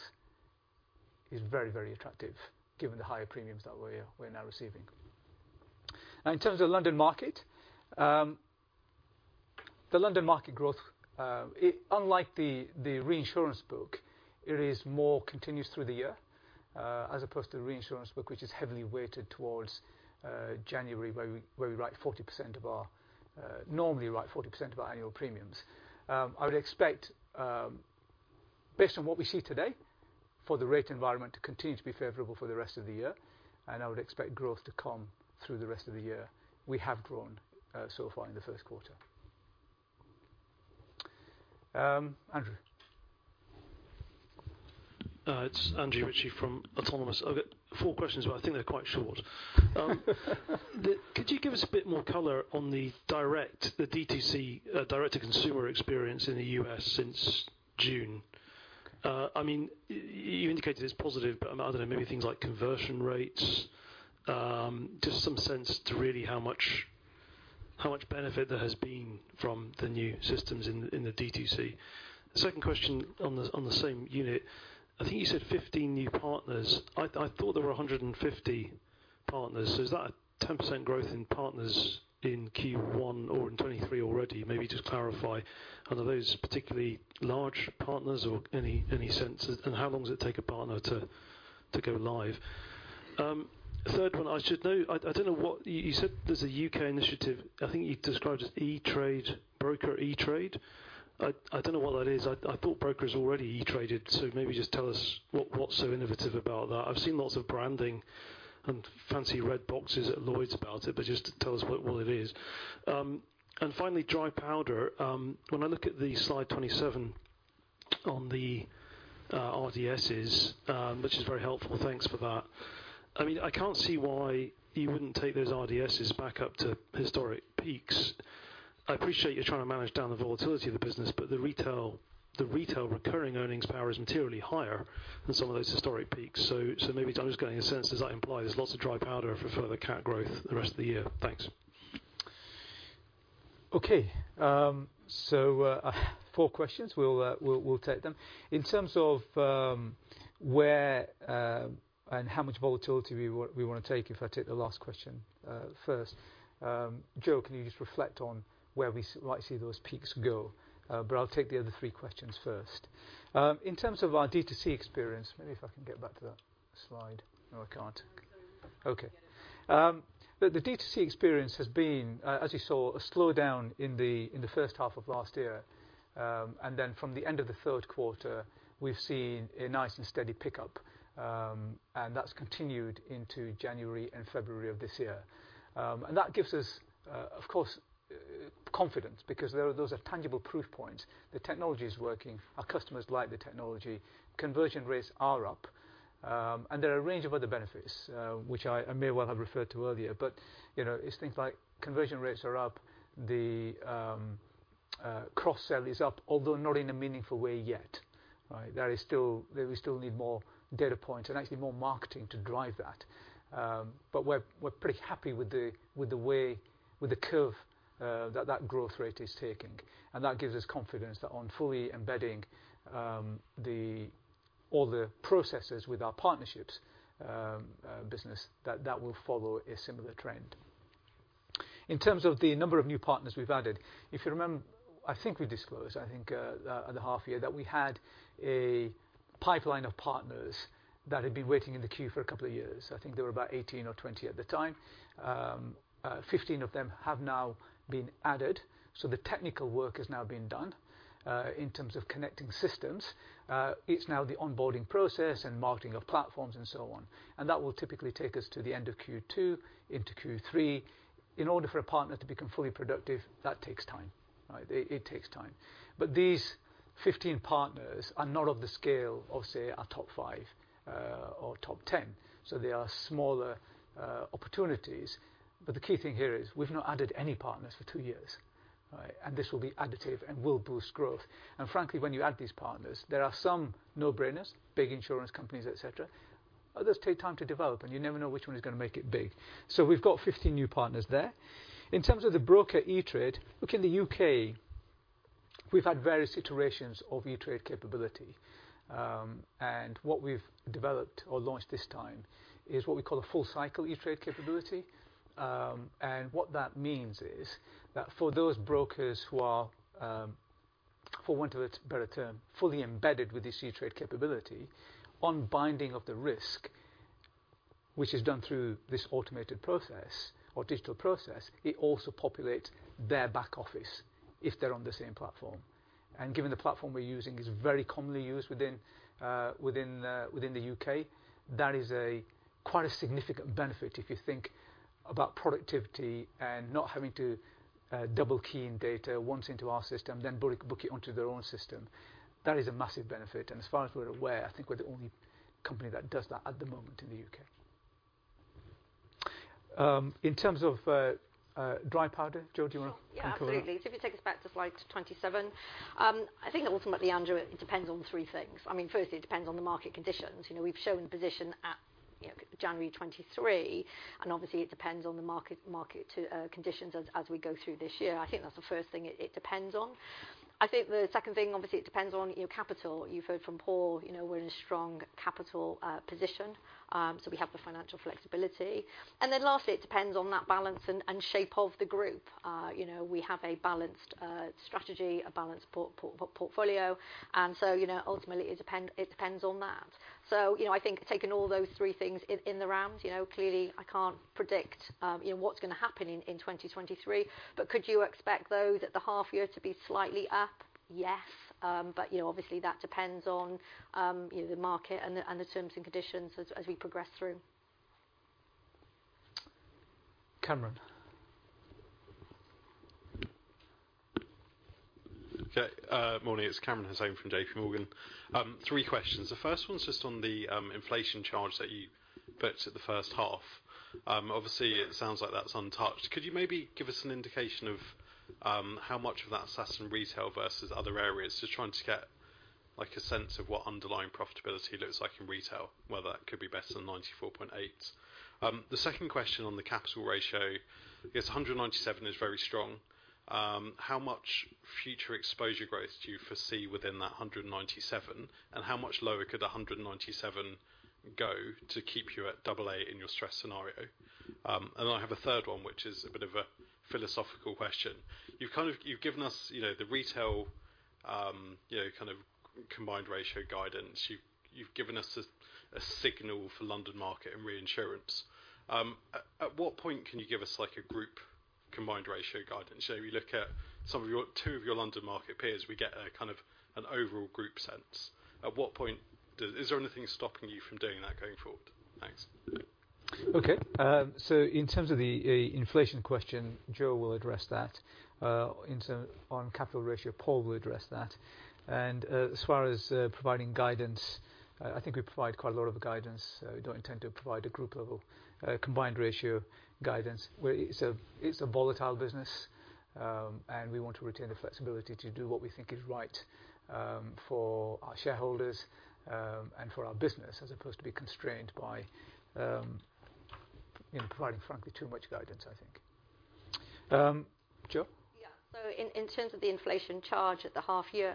B: is very, very attractive given the higher premiums that we're now receiving. In terms of London Market, the London Market growth, it... Unlike the reinsurance book, it is more continuous through the year, as opposed to the reinsurance book, which is heavily weighted towards January, where we normally write 40% of our annual premiums. I would expect, based on what we see today, for the rate environment to continue to be favorable for the rest of the year, and I would expect growth to come through the rest of the year. We have grown so far in the first quarter. Andrew.
F: It's Andrew Ritchie from Autonomous. I've got four questions, but I think they're quite short. Could you give us a bit more color on the direct, the DTC, direct-to-consumer experience in the US since June? I mean, you indicated it's positive, but, I don't know, maybe things like conversion rates, just some sense to really how much benefit there has been from the new systems in the DTC. The second question on the same unit, I think you said 15 new partners. I thought there were 150 partners. Is that a 10% growth in partners in Q1 or in 2023 already? Maybe just clarify, are those particularly large partners or any sense? How long does it take a partner to go live? Third one, I should know... I don't know what. You said there's a UK initiative. I think you described it as eTrade, broker eTrade. I don't know what that is. I thought brokers already e-traded. Maybe just tell us what's so innovative about that. I've seen lots of branding and fancy red boxes at Lloyd's about it. Just tell us what it is. Finally, dry powder. When I look at the Slide 27 on the RDSs, which is very helpful, thanks for that, I mean, I can't see why you wouldn't take those RDSs back up to historic peaks. I appreciate you're trying to manage down the volatility of the business. The retail recurring earnings power is materially higher than some of those historic peaks. Maybe I'm just getting a sense, does that imply there's lots of dry powder for further cat growth the rest of the year? Thanks.
B: Okay. 4 questions. We'll take them. In terms of where and how much volatility we wanna take, if I take the last question first. Joe, can you just reflect on where we might see those peaks go? I'll take the other three questions first. In terms of our DTC experience, maybe if I can get back to that slide. No, I can't.
D: No, I don't think we can get it.
B: Okay. The DTC experience has been, as you saw, a slowdown in the first half of last year. From the end of the third quarter, we've seen a nice and steady pickup, and that's continued into January and February of this year. It gives us, of course, confidence because those are tangible proof points. The technology is working. Our customers like the technology. Conversion rates are up. There are a range of other benefits, which I may well have referred to earlier, but, you know, it's things like conversion rates are up, the cross-sell is up, although not in a meaningful way yet. Right? There we still need more data points and actually more marketing to drive that. We're pretty happy with the way, with the curve that that growth rate is taking. That gives us confidence that on fully embedding all the processes with our partnerships business, that that will follow a similar trend. In terms of the number of new partners we've added, if you remember, I think we disclosed, I think, at the half year that we had a pipeline of partners that had been waiting in the queue for a couple of years. I think there were about 18 partners or 20 partners at the time. 15 partners of them have now been added, so the technical work is now being done in terms of connecting systems. It's now the onboarding process and marketing of platforms and so on. That will typically take us to the end of Q2 into Q3. In order for a partner to become fully productive, that takes time. Right? It takes time. These 15 partners are not of the scale of, say, our top five or top 10, so they are smaller opportunities. The key thing here is we've not added any partners for two years, right? This will be additive and will boost growth. Frankly, when you add these partners, there are some no-brainers, big insurance companies, et cetera. Others take time to develop, and you never know which one is gonna make it big. We've got 15 new partners there. In terms of the broker eTrade, look, in the U.K., we've had various iterations of eTrade capability. What we've developed or launched this time is what we call a full cycle eTrade capability. What that means is that for those brokers who are, for want of a better term, fully embedded with the eTrade capability on binding of the risk, which is done through this automated process or digital process, it also populates their back office if they're on the same platform. Given the platform we're using is very commonly used within the UK, that is a quite a significant benefit if you think about productivity and not having to double-key in data once into our system, then book it onto their own system. That is a massive benefit. As far as we're aware, I think we're the only company that does that at the moment in the UK. In terms of dry powder, Jo, do you wanna come forward?
D: Sure. Yeah, absolutely. If you take us back to Slide 27, I think ultimately, Andrew, it depends on three things. I mean, firstly, it depends on the market conditions. You know, we've shown position at, you know, January 23rd, obviously it depends on the market to conditions as we go through this year. I think that's the first thing it depends on. I think the second thing, obviously it depends on, you know, capital. You've heard from Paul, you know, we're in a strong capital position, we have the financial flexibility. Lastly, it depends on that balance and shape of the group. You know, we have a balanced strategy, a balanced portfolio, ultimately it depends on that. You know, I think taking all those three things in the round, you know, clearly I can't predict, you know, what's gonna happen in 2023. Could you expect though that the half year to be slightly up? Yes. But, you know, obviously that depends on, you know, the market and the, and the terms and conditions as we progress through.
B: Cameron.
G: Okay. Morning. It's Kamran Hossain from JPMorgan. Three questions. The first one's just on the inflation charge that you booked at the first half. Obviously, it sounds like that's untouched. Could you maybe give us an indication of how much of that sat in retail versus other areas? Just trying to get, like, a sense of what underlying profitability looks like in retail, whether that could be better than 94.8%. The second question on the capital ratio, I guess 197% is very strong. How much future exposure growth do you foresee within that 197%, and how much lower could the 197% go to keep you at AA in your stress scenario? I have a third one, which is a bit of a philosophical question. You've kind of... You've given us, you know, the retail, you know, kind of combined ratio guidance. You've given us a signal for London Market and reinsurance. At what point can you give us, like, a group combined ratio guidance? You know, we look at two of your London Market peers, we get a, kind of, an overall group sense. Is there anything stopping you from doing that going forward? Thanks.
B: Okay. So in terms of the inflation question, Jo will address that. On capital ratio, Paul will address that. As far as providing guidance, I think we provide quite a lot of guidance. We don't intend to provide a group level combined ratio guidance, where it's a, it's a volatile business, and we want to retain the flexibility to do what we think is right for our shareholders and for our business, as opposed to be constrained by, you know, providing, frankly, too much guidance, I think. Jo?
D: Yeah. In, in terms of the inflation charge at the half year,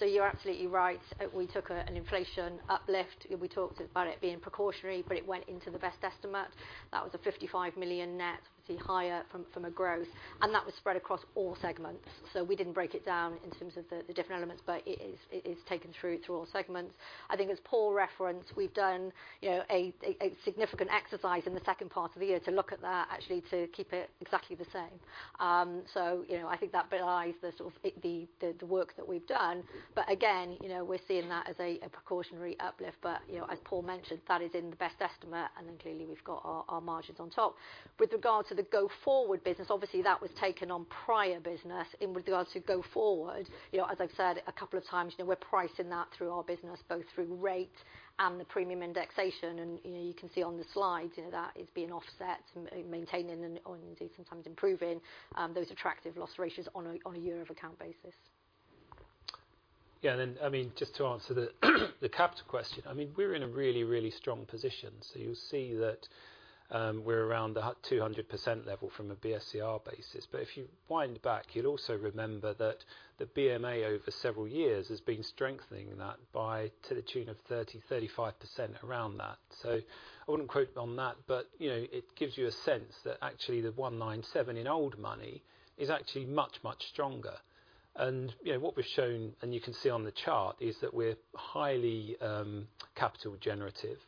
D: you're absolutely right. We took an inflation uplift. We talked about it being precautionary, but it went into the best estimate. That was a 55 million net, obviously higher from a growth, and that was spread across all segments. We didn't break it down in terms of the different elements, but it is taken through to all segments. I think as Paul referenced, we've done, you know, a significant exercise in the second part of the year to look at that actually to keep it exactly the same. You know, I think that belies the sort of, the work that we've done. Again, you know, we're seeing that as a precautionary uplift but, you know, as Paul mentioned, that is in the best estimate, and then clearly we've got our margins on top. With regards to the go-forward business, obviously that was taken on prior business. In regards to go forward, you know, as I've said a couple of times, you know, we're pricing that through our business, both through rate and the premium indexation. You know, you can see on the slides, you know, that is being offset, maintaining and, or indeed sometimes improving those attractive loss ratios on a year of account basis.
C: I mean, just to answer the capital question. I mean, we're in a really, really strong position. You'll see that we're around the 200% level from a BSCR basis. If you wind back, you'll also remember that the BMA over several years has been strengthening that by to the tune of 30%-35% around that. I wouldn't quote on that, but, you know, it gives you a sense that actually the 197 in old money is actually much, much stronger. You know, what we've shown, and you can see on the chart, is that we're highly capital generative.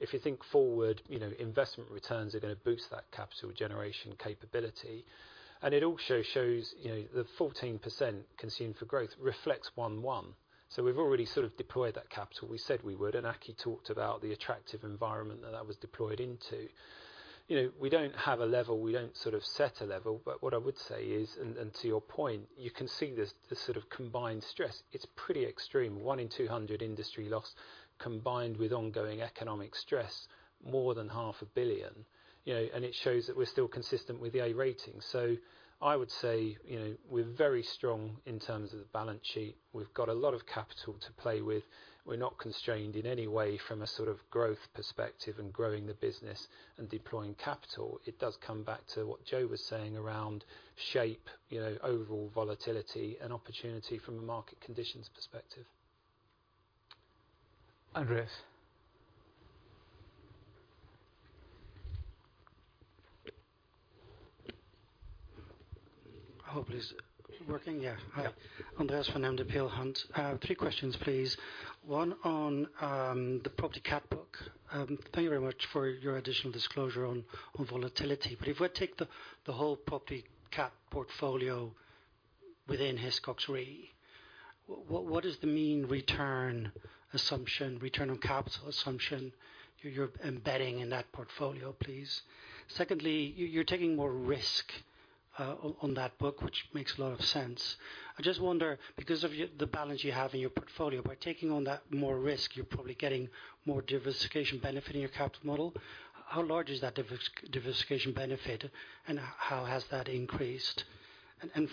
C: If you think forward, you know, investment returns are gonna boost that capital generation capability. It also shows, you know, the 14% consumed for growth reflects 1/1. We've already sort of deployed that capital. We said we would, and Aki talked about the attractive environment that that was deployed into. You know, we don't have a level, we don't sort of set a level, but what I would say is, and to your point, you can see this, the sort of combined stress. It's pretty extreme. One in 200 industry loss combined with ongoing economic stress, more than $500 million. You know, and it shows that we're still consistent with the A rating. I would say, you know, we're very strong in terms of the balance sheet. We've got a lot of capital to play with. We're not constrained in any way from a sort of growth perspective and growing the business and deploying capital. It does come back to what Jo was saying around shape, you know, overall volatility and opportunity from a market conditions perspective.
B: Andreas.
H: I hope it is working. Yeah. Hi. Andreas from Peel Hunt. Three questions, please. One on the property cat book. Thank you very much for your additional disclosure on volatility. If I take the whole property cat portfolio within Hiscox Re, what is the mean return assumption, return on capital assumption you're embedding in that portfolio, please? Secondly, you're taking more risk on that book, which makes a lot of sense. I just wonder because of the balance you have in your portfolio, by taking on that more risk, you're probably getting more diversification benefit in your capital model. How large is that diversification benefit, and how has that increased?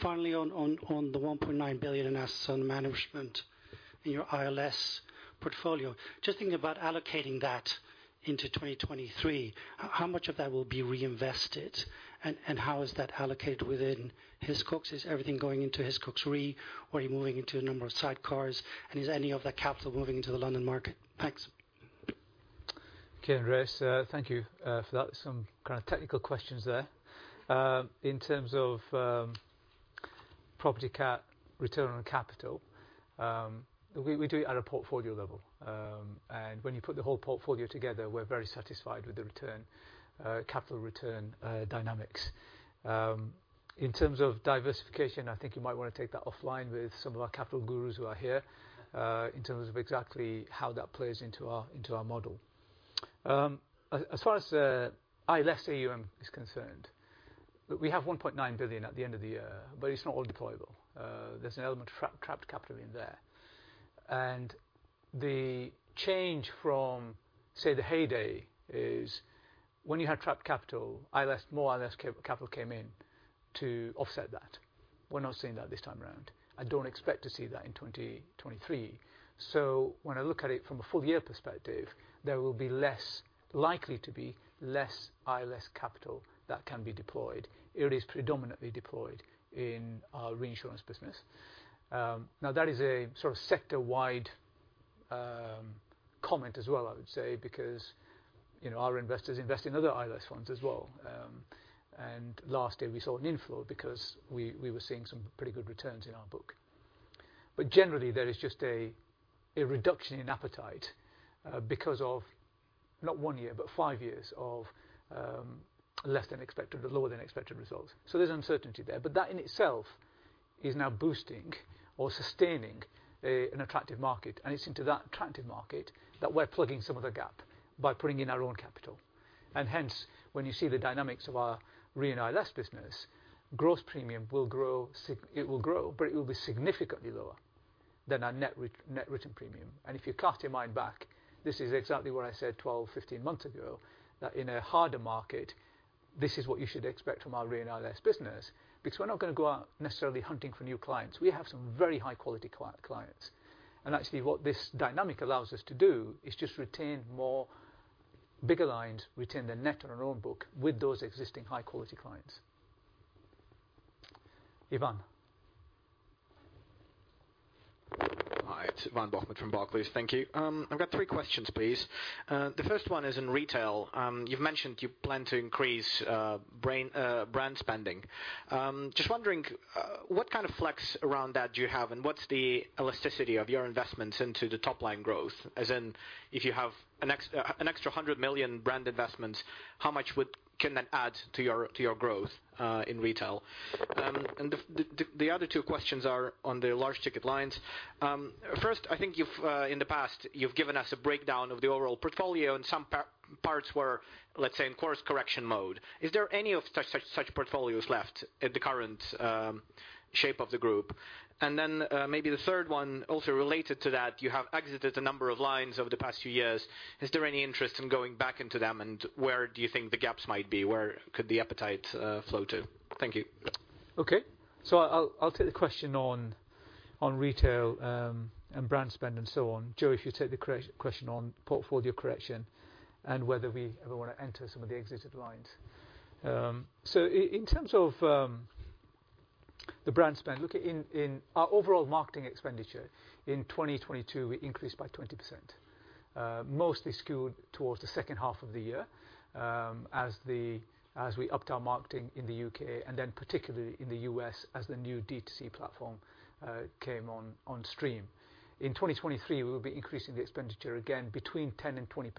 H: Finally, on the $1.9 billion in assets under management in your ILS portfolio, just thinking about allocating that into 2023, how much of that will be reinvested, and how is that allocated within Hiscox? Is everything going into Hiscox Re, or are you moving into a number of sidecars, and is any of that capital moving into the London market? Thanks.
B: Okay, Andreas. Thank you for that. Some kind of technical questions there. In terms of property cat return on capital, we do it at a portfolio level. When you put the whole portfolio together, we're very satisfied with the return, capital return, dynamics. In terms of diversification, I think you might wanna take that offline with some of our capital gurus who are here, in terms of exactly how that plays into our, into our model. As far as ILS AUM is concerned, look, we have $1.9 billion at the end of the year, but it's not all deployable. There's an element of trapped capital in there. The change from, say, the heyday is when you had trapped capital, ILS, more ILS capital came in to offset that. We're not seeing that this time around. I don't expect to see that in 2023. When I look at it from a full year perspective, there will be less, likely to be less ILS capital that can be deployed. It is predominantly deployed in our reinsurance business. Now that is a sort of sector-wide comment as well, I would say, because, you know, our investors invest in other ILS funds as well. Last year we saw an inflow because we were seeing some pretty good returns in our book. Generally, there is just a reduction in appetite because of not one year, but five years of less than expected or lower than expected results. There's uncertainty there. That in itself is now boosting or sustaining an attractive market. It's into that attractive market that we're plugging some of the gap by putting in our own capital. Hence, when you see the dynamics of our Re & ILS business, gross premium will grow it will grow, but it will be significantly lower than our net written premium. If you cast your mind back, this is exactly what I said 12 months, 15 months ago. That in a harder market, this is what you should expect from our Re & ILS business because we're not gonna go out necessarily hunting for new clients. We have some very high quality clients. Actually, what this dynamic allows us to do is just retain more bigger lines, retain the net on our own book with those existing high quality clients. Ivan.
I: Hi. It's Ivan Bokhmat from Barclays. Thank you. I've got three questions, please. The first one is in retail. You've mentioned you plan to increase brand spending. Just wondering what kind of flex around that do you have, and what's the elasticity of your investments into the top line growth? As in if you have an extra $100 million brand investments, how much can that add to your growth in retail? The other two questions are on the large ticket lines. First, I think you've in the past, you've given us a breakdown of the overall portfolio and some parts were, let's say, in course correction mode. Is there any of such portfolios left at the current shape of the group? Maybe the third one also related to that, you have exited a number of lines over the past few years. Is there any interest in going back into them, and where do you think the gaps might be? Where could the appetite, flow to? Thank you.
B: Okay. I'll take the question on retail and brand spend and so on. Joe, if you take the question on portfolio correction and whether we ever wanna enter some of the exited lines. In terms of the brand spend, look, in our overall marketing expenditure in 2022, we increased by 20%, mostly skewed towards the second half of the year, as we upped our marketing in the U.K. and then particularly in the U.S. as the new D2C platform came on stream. In 2023, we will be increasing the expenditure again between 10% and 20%.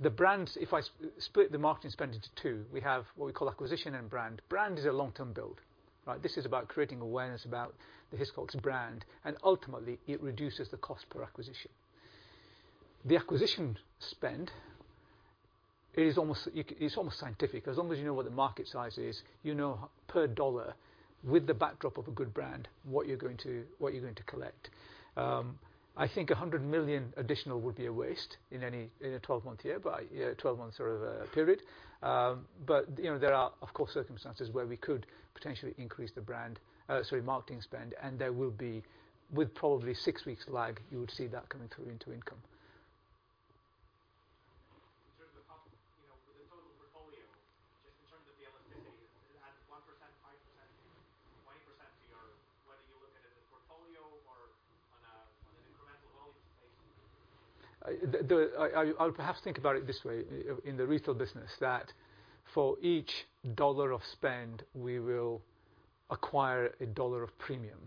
B: The brands, if I split the marketing spend into two, we have what we call acquisition and brand. Brand is a long-term build, right? This is about creating awareness about the Hiscox brand. Ultimately it reduces the cost per acquisition. The acquisition spend is almost, it's almost scientific. As long as you know what the market size is, you know per dollar with the backdrop of a good brand, what you're going to collect. I think $100 million additional would be a waste in a 12-month year by 12 months sort of a period. you know, there are of course circumstances where we could potentially increase the brand, sorry, marketing spend, and there will be, with probably six weeks lag, you would see that coming through into income.
I: In terms of cost, you know, with the total portfolio.
B: I will perhaps think about it this way in the retail business, that for each $1 of spend, we will acquire a $1 of premium.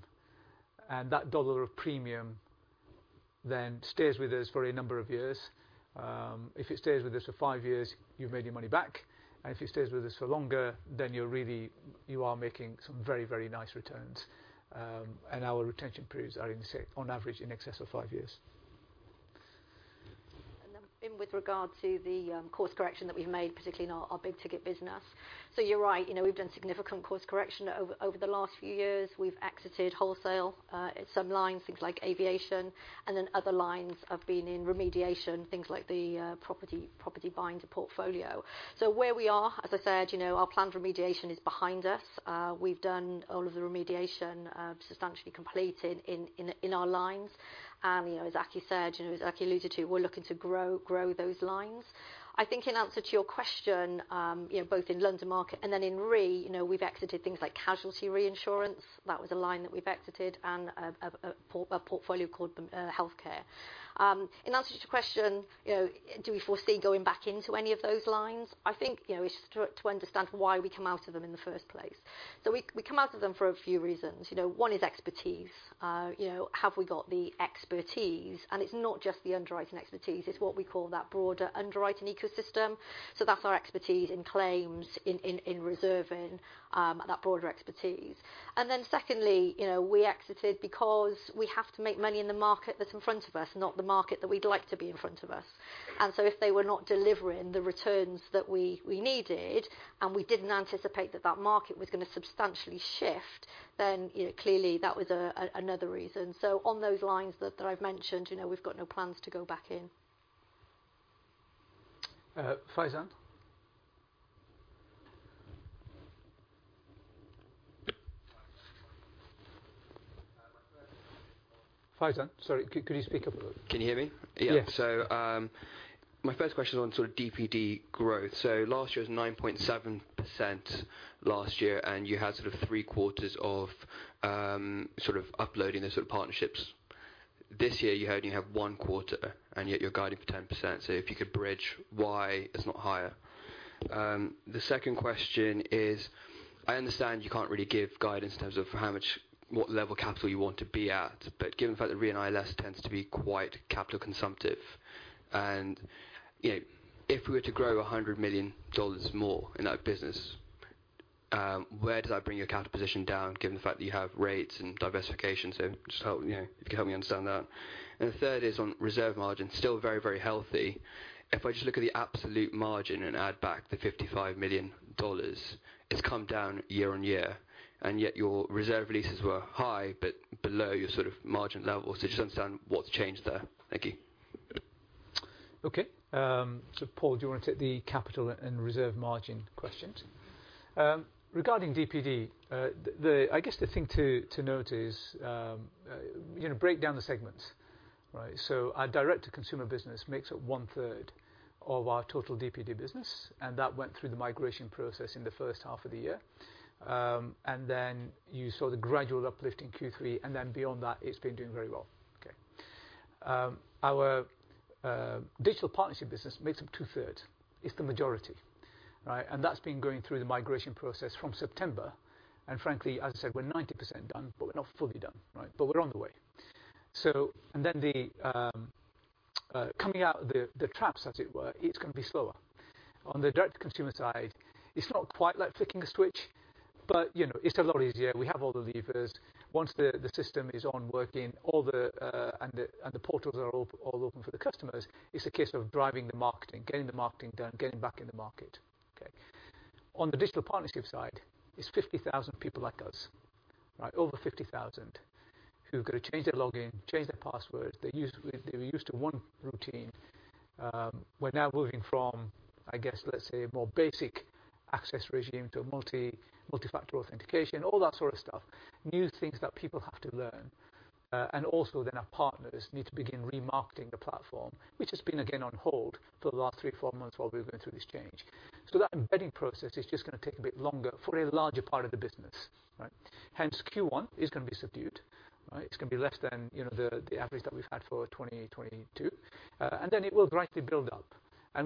B: That $1 of premium then stays with us for a number of years. If it stays with us for five years, you've made your money back. If it stays with us for longer, then you're really, you are making some very, very nice returns. Our retention periods are on average, in excess of five years.
D: With regard to the course correction that we've made, particularly in our big ticket business. You're right, you know, we've done significant course correction over the last few years. We've exited wholesale some lines, things like aviation, and then other lines have been in remediation, things like the property buying portfolio. Where we are, as I said, you know, our planned remediation is behind us. We've done all of the remediation substantially completed in our lines. You know, as Aki said, you know, as Aki alluded to, we're looking to grow those lines. I think in answer to your question, you know, both in London Market and then in Re, you know, we've exited things like casualty reinsurance. That was a line that we've exited and a portfolio called healthcare. In answer to your question, you know, do we foresee going back into any of those lines? I think, you know, it's to understand why we come out of them in the first place. We come out of them for a few reasons. You know, one is expertise. You know, have we got the expertise? It's not just the underwriting expertise, it's what we call that broader underwriting ecosystem. That's our expertise in claims, in reserving, that broader expertise. Secondly, you know, we exited because we have to make money in the market that's in front of us, not the market that we'd like to be in front of us. If they were not delivering the returns that we needed, and we didn't anticipate that that market was gonna substantially shift, then, you know, clearly that was another reason. On those lines that I've mentioned, you know, we've got no plans to go back in.
B: Faizan? Faizan, sorry, could you speak up a little?
J: Can you hear me?
B: Yes.
J: Yeah. My first question is on sort of DPD growth. Last year was 9.7% last year, and you had sort of three quarters of uploading the sort of partnerships. This year, you only have one quarter, and yet you're guiding for 10%. If you could bridge why it's not higher. The second question is, I understand you can't really give guidance in terms of how much, what level capital you want to be at, but given the fact that Re & ILS tends to be quite capital consumptive, and, you know, if we were to grow $100 million more in that business, where does that bring your capital position down, given the fact that you have rates and diversification? Just help, you know, if you could help me understand that. The third is on reserve margin, still very, very healthy. If I just look at the absolute margin and add back the $55 million, it's come down year-on-year, and yet your reserve releases were high but below your sort of margin levels. Just understand what's changed there. Thank you.
B: Okay. Paul, do you want to take the capital and reserve margin questions? Regarding DPD, I guess the thing to note is, you know, break down the segments, right? Our direct-to-consumer business makes up one-third of our total DPD business, that went through the migration process in the first half of the year. Then you saw the gradual uplift in Q3, beyond that, it's been doing very well. Okay. Our digital partnership business makes up two-thirds. It's the majority, right? That's been going through the migration process from September. Frankly, as I said, we're 90% done, we're not fully done, right? We're on the way. Then the coming out, the traps, as it were, it's gonna be slower. On the direct-to-consumer side, it's not quite like flicking a switch, but you know, it's a lot easier. We have all the levers. Once the system is on working, all the and the portals are all open for the customers, it's a case of driving the marketing, getting the marketing done, getting back in the market. On the digital partnership side, it's 50,000 people like us, right? Over 50,000 who've got to change their login, change their password. They're used to one routine. We're now moving from, I guess, let's say a more basic access regime to a multi-factor authentication, all that sort of stuff. New things that people have to learn. Also then our partners need to begin remarketing the platform, which has been again on hold for the last three, four months while we were going through this change. That embedding process is just gonna take a bit longer for a larger part of the business, right? Hence, Q1 is gonna be subdued, right? It's gonna be less than, you know, the average that we've had for 2020, 2022. Then it will gradually build up.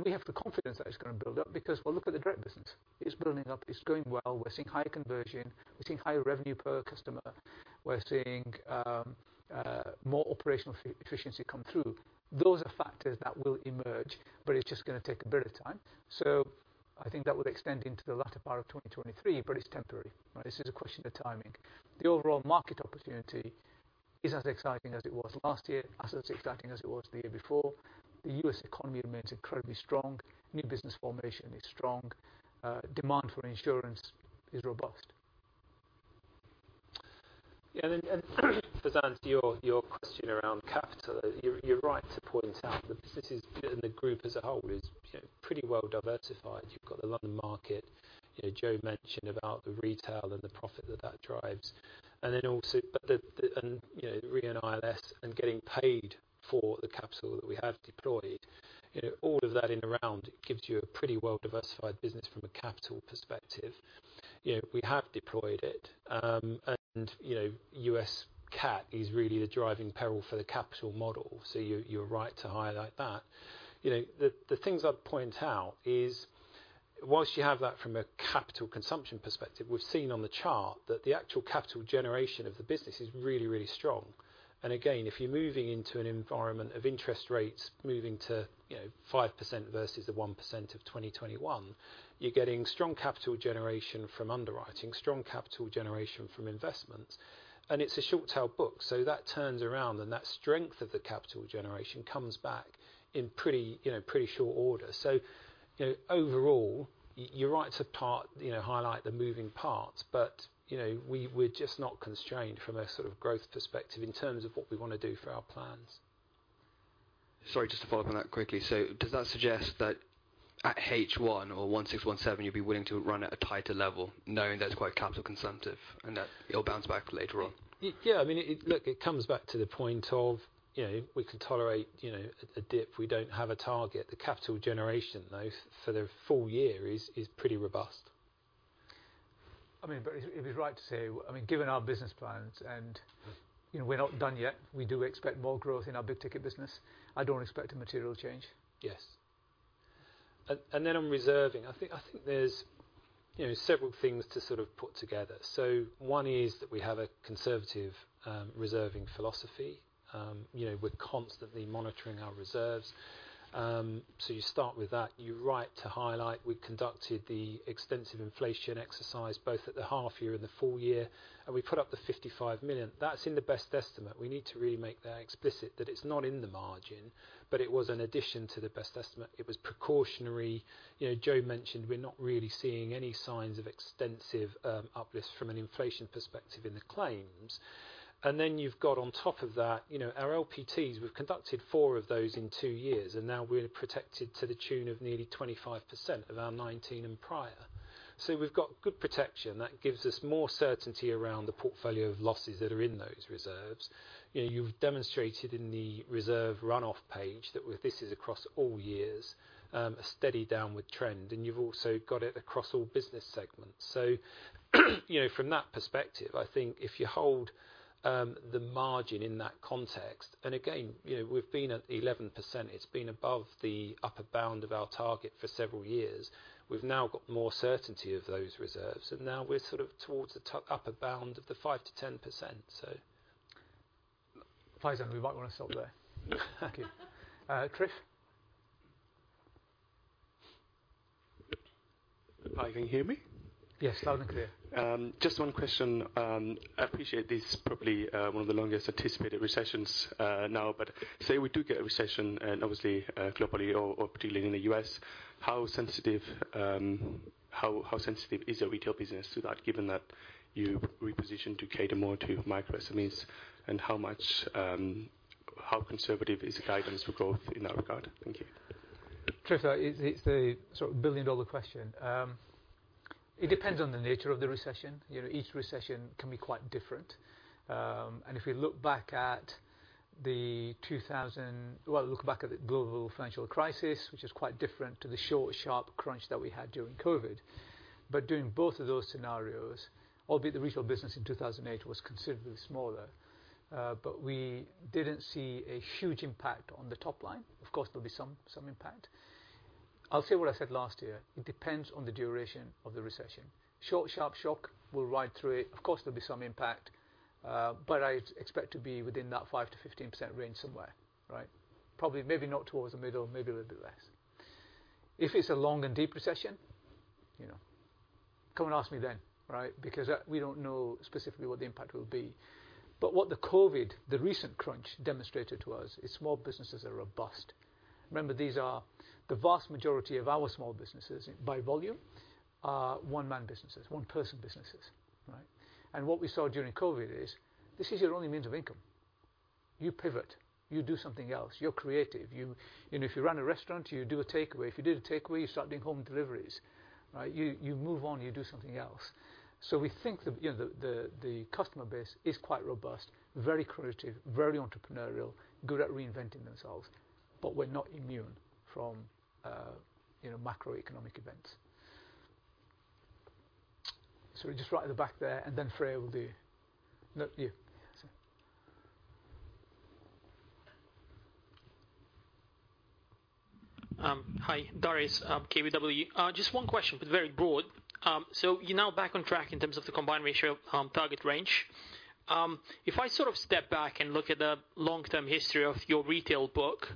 B: We have the confidence that it's gonna build up because, well, look at the direct business. It's building up. It's going well. We're seeing higher conversion. We're seeing higher revenue per customer. We're seeing more operational efficiency come through. Those are factors that will emerge, but it's just gonna take a bit of time. I think that would extend into the latter part of 2023, it's temporary. Right? This is a question of timing. The overall market opportunity is as exciting as it was last year, as exciting as it was the year before. The U.S. economy remains incredibly strong. New business formation is strong. Demand for insurance is robust.
D: Yeah, and Faizan, to your question around capital, you're right to point out that the business and the group as a whole is, you know, pretty well diversified. You've got the London market. You know, Jo mentioned about the retail and the profit that drives. Then also, you know, Re & ILS and getting paid for the capital that we have deployed...
C: You know, all of that in around gives you a pretty well-diversified business from a capital perspective. You know, we have deployed it. You know, US cat is really the driving peril for the capital model. You're right to highlight that. You know, the things I'd point out is once you have that from a capital consumption perspective, we've seen on the chart that the actual capital generation of the business is really strong. Again, if you're moving into an environment of interest rates moving to, you know, 5% versus the 1% of 2021, you're getting strong capital generation from underwriting, strong capital generation from investments. It's a short tail book. That turns around, and that strength of the capital generation comes back in pretty, you know, pretty short order. You know, overall, you're right to part, you know, highlight the moving parts. You know, we're just not constrained from a sort of growth perspective in terms of what we wanna do for our plans.
J: Sorry, just to follow up on that quickly. Does that suggest that at H1 or 161.7 you'd be willing to run at a tighter level, knowing that it's quite capital consumptive and that it'll bounce back later on?
C: Yeah. I mean, look, it comes back to the point of, you know, we can tolerate, you know, a dip. We don't have a target. The capital generation, though, for the full year is pretty robust.
B: I mean, it'd be right to say, I mean, given our business plans and, you know, we're not done yet. We do expect more growth in our big ticket business. I don't expect a material change.
C: Yes. Then on reserving. I think there's, you know, several things to sort of put together. One is that we have a conservative, reserving philosophy. You know, we're constantly monitoring our reserves. You start with that. You're right to highlight we conducted the extensive inflation exercise both at the half year and the full year, and we put up the $55 million. That's in the best estimate. We need to really make that explicit, that it's not in the margin, but it was an addition to the best estimate. It was precautionary. You know, Joe mentioned we're not really seeing any signs of extensive, uplifts from an inflation perspective in the claims. You've got on top of that, you know, our LPTs, we've conducted four of those in two years, and now we're protected to the tune of nearly 25% of our 19 LPTs and prior. We've got good protection. That gives us more certainty around the portfolio of losses that are in those reserves. You know, you've demonstrated in the reserve runoff page that with this is across all years, a steady downward trend, and you've also got it across all business segments. You know, from that perspective, I think if you hold the margin in that context, and again, you know, we've been at 11%. It's been above the upper bound of our target for several years. We've now got more certainty of those reserves, and now we're sort of towards the upper bound of the 5%-10%.
B: Faiz, we might wanna stop there.
J: Thank you.
B: Chris.
K: Hi, can you hear me?
B: Yes, loud and clear.
K: Just 1 question. I appreciate this is probably one of the longest anticipated recessions now. Say we do get a recession and obviously, globally or particularly in the U.S., how sensitive, how sensitive is your retail business to that, given that you reposition to cater more to micro SMEs and how much, how conservative is the guidance for growth in that regard? Thank you.
B: Chris, it's the sort of billion dollar question. It depends on the nature of the recession. You know, each recession can be quite different. Look back at the Global Financial Crisis, which is quite different to the short, sharp crunch that we had during COVID. During both of those scenarios, albeit the retail business in 2008 was considerably smaller, we didn't see a huge impact on the top line. Of course, there'll be some impact. I'll say what I said last year. It depends on the duration of the recession. Short, sharp shock, we'll ride through it. Of course, there'll be some impact, but I expect to be within that 5%-15% range somewhere, right? Probably, maybe not towards the middle, maybe a little bit less. If it's a long and deep recession, you know, come and ask me then, right? We don't know specifically what the impact will be. What the COVID, the recent crunch demonstrated to us is small businesses are robust. Remember, the vast majority of our small businesses by volume are one-man businesses, one-person businesses, right? What we saw during COVID is this is your only means of income. You pivot. You do something else. You're creative. You know, if you run a restaurant, you do a takeaway. If you did a takeaway, you start doing home deliveries, right? You move on, you do something else. We think the, you know, the customer base is quite robust, very creative, very entrepreneurial, good at reinventing themselves. We're not immune from, you know, macroeconomic events. Sorry, just right at the back there. Then Freya will do. No, you. Sorry.
L: Hi. Darius, KBW. Just one question, but very broad. You're now back on track in terms of the combined ratio target range. If I sort of step back and look at the long-term history of your retail book,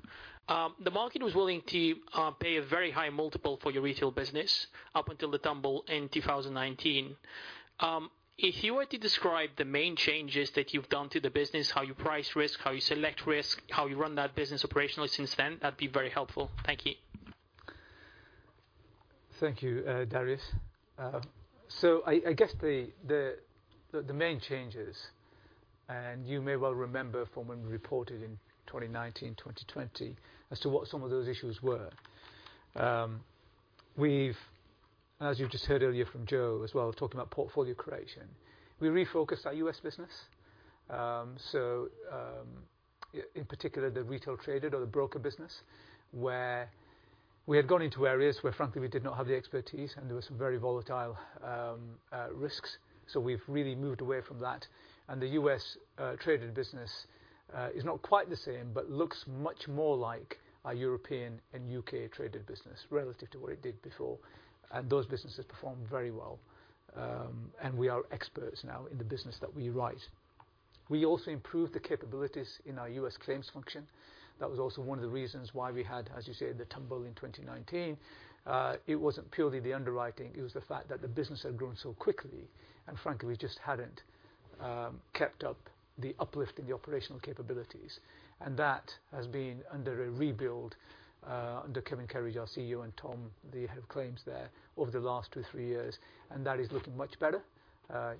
L: the market was willing to pay a very high multiple for your retail business up until the tumble in 2019. If you were to describe the main changes that you've done to the business, how you price risk, how you select risk, how you run that business operationally since then, that'd be very helpful. Thank you.
B: Thank you, Darius. I guess the main changes, and you may well remember from when we reported in 2019, 2020 as to what some of those issues were. We've as you just heard earlier from Jo as well, talking about portfolio creation, we refocused our U.S. business. In particular, the retail traded or the broker business, where we had gone into areas where frankly we did not have the expertise, and there was some very volatile risks. We've really moved away from that. The U.S. traded business is not quite the same, but looks much more like our European and U.K. traded business relative to what it did before. Those businesses perform very well. We are experts now in the business that we write. We also improved the capabilities in our U.S. claims function. That was also one of the reasons why we had, as you say, the tumble in 2019. It wasn't purely the underwriting, it was the fact that the business had grown so quickly, and frankly, we just hadn't kept up the uplift in the operational capabilities. That has been under a rebuild under Kevin Kerridge, our CEO, and Tom, the head of claims there, over the last two, three years. That is looking much better.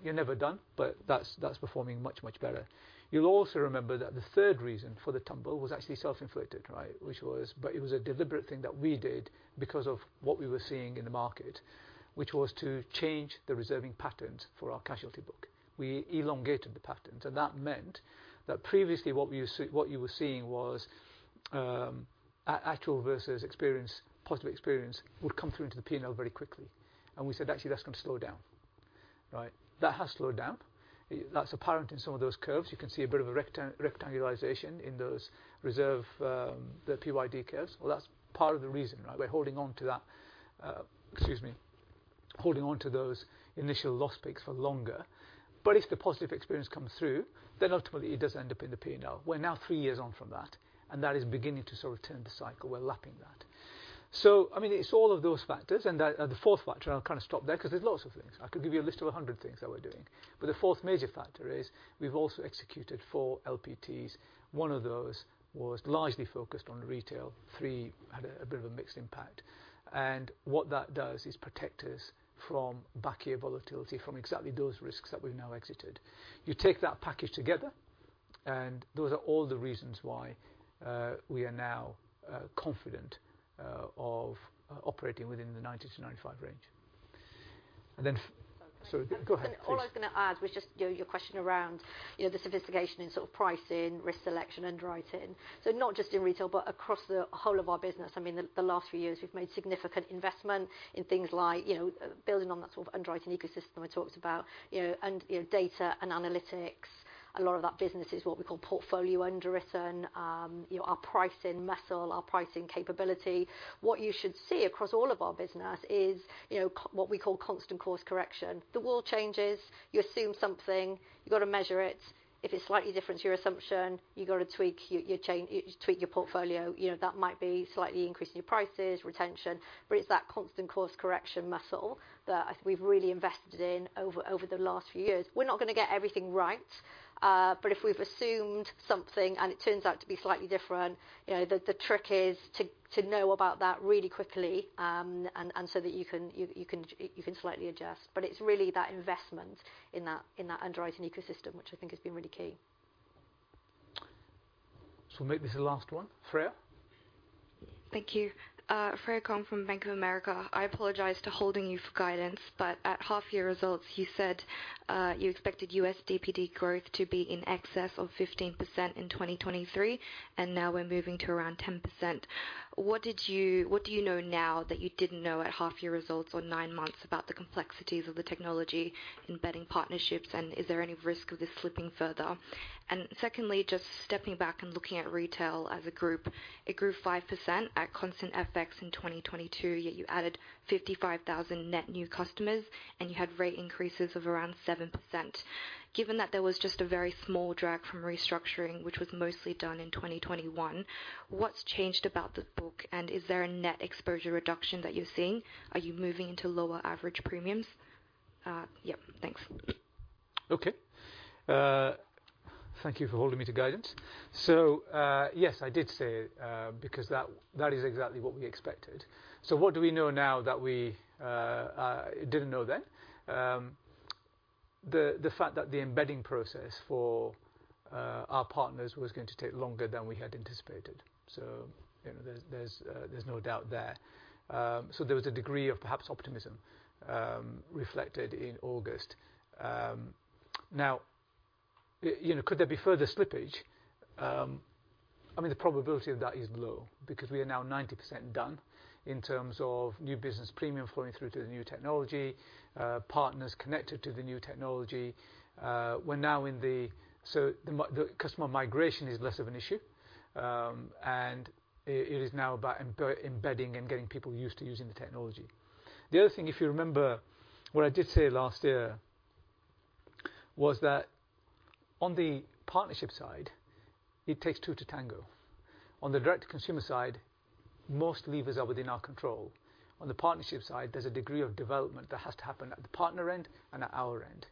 B: You're never done, but that's performing much, much better. You'll also remember that the third reason for the tumble was actually self-inflicted, right? It was a deliberate thing that we did because of what we were seeing in the market, which was to change the reserving patterns for our casualty book. We elongated the patterns, and that meant that previously, actual versus experience, positive experience would come through into the P&L very quickly. We said, "Actually, that's gonna slow down." Right? That has slowed down. That's apparent in some of those curves. You can see a bit of a rectangulization in those reserve, the PYD curves. Well, that's part of the reason, right? We're holding on to that, excuse me, holding on to those initial loss peaks for longer. If the positive experience comes through, then ultimately it does end up in the P&L. We're now three years on from that, and that is beginning to sort of turn the cycle. We're lapping that. I mean, it's all of those factors. The fourth factor, I'll kind of stop there 'cause there's lots of things. I could give you a list of 100 things that we're doing. The fourth major factor is we've also executed four LPTs. One of those was largely focused on retail. Three had a bit of a mixed impact. What that does is protect us from back-year volatility from exactly those risks that we've now exited. You take that package together, and those are all the reasons why we are now confident of operating within the 90-95 range.
D: Okay.
B: Sorry. Go ahead, please.
D: All I was gonna add was just, you know, your question around, you know, the sophistication in sort of pricing, risk selection, underwriting. Not just in retail, but across the whole of our business, I mean, the last few years we've made significant investment in things like, you know, building on that sort of underwriting ecosystem I talked about, you know, and, you know, data and analytics. A lot of that business is what we call portfolio underwritten. You know, our pricing muscle, our pricing capability. What you should see across all of our business is, you know, what we call constant course correction. The world changes, you assume something, you've got to measure it. If it's slightly different to your assumption, you've got to tweak your portfolio. You know, that might be slightly increasing your prices, retention, but it's that constant course correction muscle that we've really invested in over the last few years. We're not gonna get everything right, but if we've assumed something and it turns out to be slightly different, you know, the trick is to know about that really quickly, and so that you can slightly adjust. It's really that investment in that, in that underwriting ecosystem which I think has been really key.
B: Make this the last one. Freya?
M: Thank you. Shanti Kang from Bank of America. I apologize to holding you for guidance. At half-year results, you said, you expected USDPD growth to be in excess of 15% in 2023, and now we're moving to around 10%. What do you know now that you didn't know at half-year results or nine months about the complexities of the technology, embedding partnerships, and is there any risk of this slipping further? Secondly, just stepping back and looking at retail as a group, it grew 5% at constant FX in 2022, yet you added 55,000 net new customers and you had rate increases of around 7%. Given that there was just a very small drag from restructuring, which was mostly done in 2021, what's changed about the book and is there a net exposure reduction that you're seeing? Are you moving into lower average premiums? yep. Thanks.
B: Okay. Thank you for holding me to guidance. Yes, I did say it because that is exactly what we expected. What do we know now that we didn't know then? The fact that the embedding process for our partners was going to take longer than we had anticipated. You know, there's no doubt there. There was a degree of perhaps optimism reflected in August. Now, you know, could there be further slippage? I mean, the probability of that is low because we are now 90% done in terms of new business premium flowing through to the new technology, partners connected to the new technology. We're now in the... The customer migration is less of an issue, and it is now about embedding and getting people used to using the technology. The other thing, if you remember what I did say last year, was that on the partnership side, it takes two to tango. On the direct-to-consumer side, most levers are within our control. On the partnership side, there's a degree of development that has to happen at the partner end and at our end.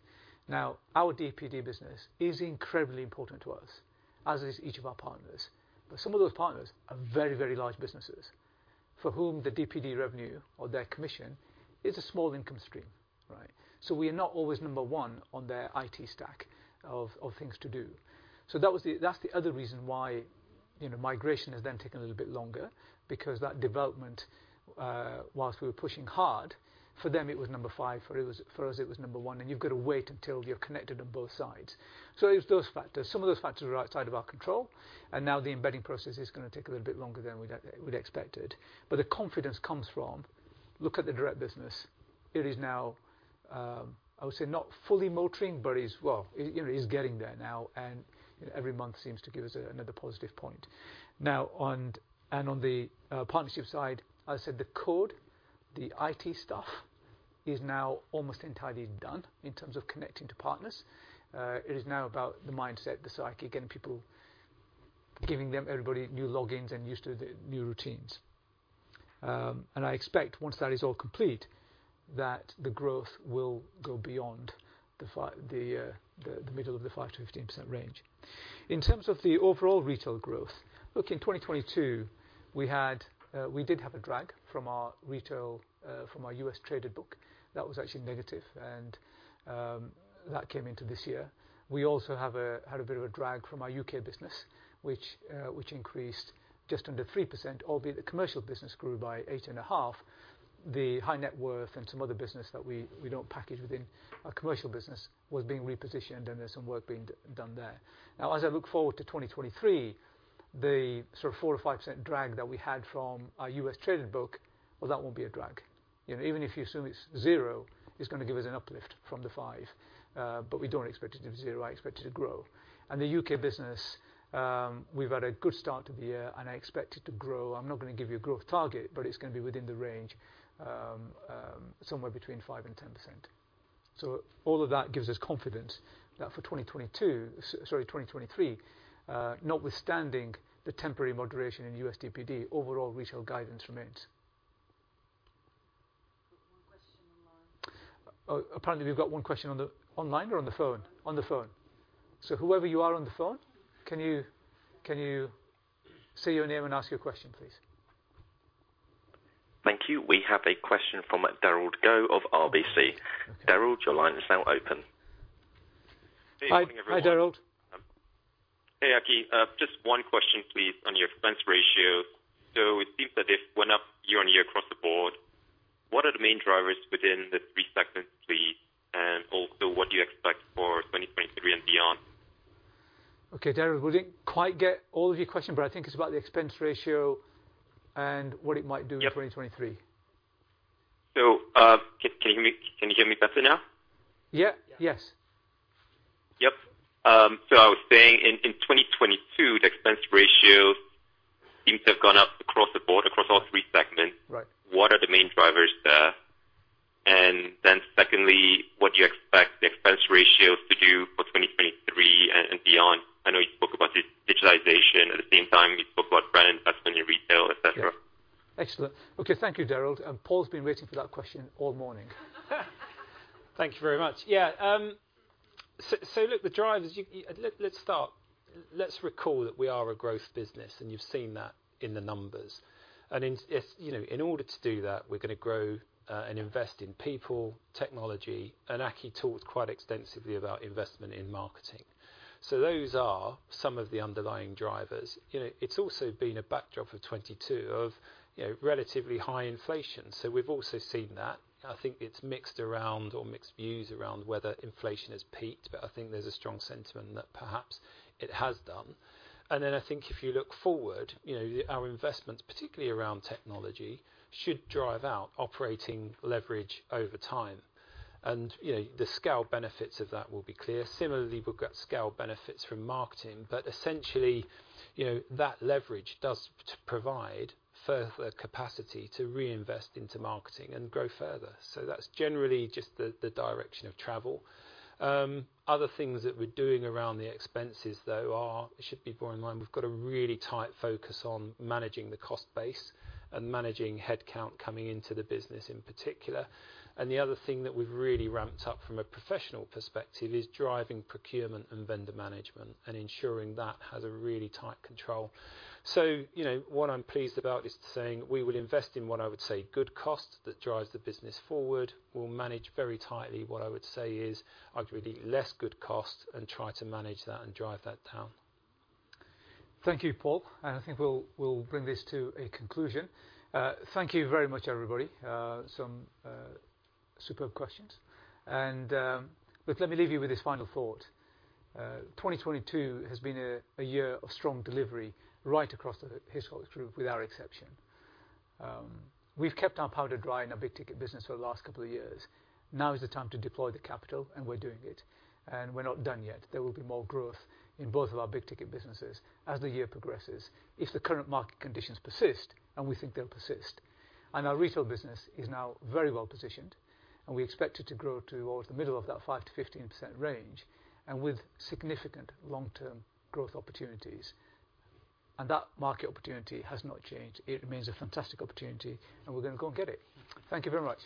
B: Our DPD business is incredibly important to us, as is each of our partners. Some of those partners are very, very large businesses for whom the DPD revenue or their commission is a small income stream, right? We are not always number 1 on their IT stack of things to do. That's the other reason why. You know, migration has then taken a little bit longer because that development, whilst we were pushing hard, for them it was number five, for us it was number one, and you've got to wait until you're connected on both sides. It was those factors. Some of those factors were outside of our control, and now the embedding process is gonna take a little bit longer than we expected. The confidence comes from, look at the direct business. It is now, I would say not fully motoring, but it's, well, it, you know, it is getting there now, and, you know, every month seems to give us another positive point. Now, on the partnership side, I said the code, the IT stuff is now almost entirely done in terms of connecting to partners. It is now about the mindset, the psyche, getting people, giving them, everybody, new logins and used to the new routines. I expect once that is all complete, that the growth will go beyond the middle of the 5%-15% range. In terms of the overall retail growth, look, in 2022, we did have a drag from our retail from our U.S. traded book. That was actually negative, and that came into this year. We also had a bit of a drag from our U.K. business, which increased just under 3%, albeit the commercial business grew by 8.5%. The high net worth and some other business that we don't package within our commercial business was being repositioned, and there's some work being done there. Now as I look forward to 2023, the sort of 4%-5% drag that we had from our US traded book, well, that won't be a drag. You know, even if you assume it's zero, it's gonna give us an uplift from the 5%. But we don't expect it to be zero. I expect it to grow. And the UK business, we've had a good start to the year, and I expect it to grow. I'm not gonna give you a growth target, but it's gonna be within the range somewhere between 5%-10%. All of that gives us confidence that for 2022, sorry, 2023, notwithstanding the temporary moderation in USDPD, overall retail guidance remains.
I: We've got one question online.
B: Oh, apparently we've got one question. Online or on the phone? On the phone. Whoever you are on the phone, can you say your name and ask your question please?
N: Thank you. We have a question from Darragh Law of RBC. Daryl, your line is now open.
B: Hi, Darragh.
O: Hey, Aki. Just one question please on your expense ratio. It seems that it went up year-on-year across the board. What are the main drivers within the 3 segments please, and also what do you expect for 2023 and beyond?
B: Okay, Daryl. We didn't quite get all of your question, but I think it's about the expense ratio and what it might do-
O: Yep.
B: in 2023.
O: Can you hear me better now?
B: Yeah. Yes.
O: Yep. I was saying in 2022, the expense ratio seems to have gone up across the board, across all three segments.
B: Right.
O: What are the main drivers there? Secondly, what do you expect the expense ratios to do for 2023 and beyond? I know you spoke about digitalization. At the same time, you spoke about brand investment in retail, et cetera.
B: Yeah. Excellent. Okay, thank you, Daryl. Paul's been waiting for that question all morning.
C: Thank you very much. Yeah. Let's recall that we are a growth business, and you've seen that in the numbers. You know, in order to do that, we're gonna grow and invest in people, technology, and Aki talked quite extensively about investment in marketing. Those are some of the underlying drivers. You know, it's also been a backdrop of 2022 of, you know, relatively high inflation. We've also seen that. I think it's mixed views around whether inflation has peaked. I think there's a strong sentiment that perhaps it has done. I think if you look forward, you know, our investments, particularly around technology, should drive out operating leverage over time. You know, the scale benefits of that will be clear. Similarly, we've got scale benefits from marketing. Essentially, you know, that leverage does provide further capacity to reinvest into marketing and grow further. That's generally just the direction of travel. Other things that we're doing around the expenses though are, it should be borne in mind, we've got a really tight focus on managing the cost base and managing headcount coming into the business in particular. The other thing that we've really ramped up from a professional perspective is driving procurement and vendor management and ensuring that has a really tight control. You know, what I'm pleased about is saying we will invest in what I would say good costs that drives the business forward. We'll manage very tightly what I would say is arguably less good costs and try to manage that and drive that down.
B: Thank you, Paul, and I think we'll bring this to a conclusion. Thank you very much, everybody. Some superb questions. But let me leave you with this final thought. 2022 has been a year of strong delivery right across the Hiscox Group without exception. We've kept our powder dry in our big ticket business for the last couple of years. Now is the time to deploy the capital, and we're doing it. We're not done yet. There will be more growth in both of our big ticket businesses as the year progresses if the current market conditions persist, and we think they'll persist. Our retail business is now very well positioned, and we expect it to grow towards the middle of that 5%-15% range and with significant long-term growth opportunities. That market opportunity has not changed. It remains a fantastic opportunity, and we're going to go and get it. Thank you very much.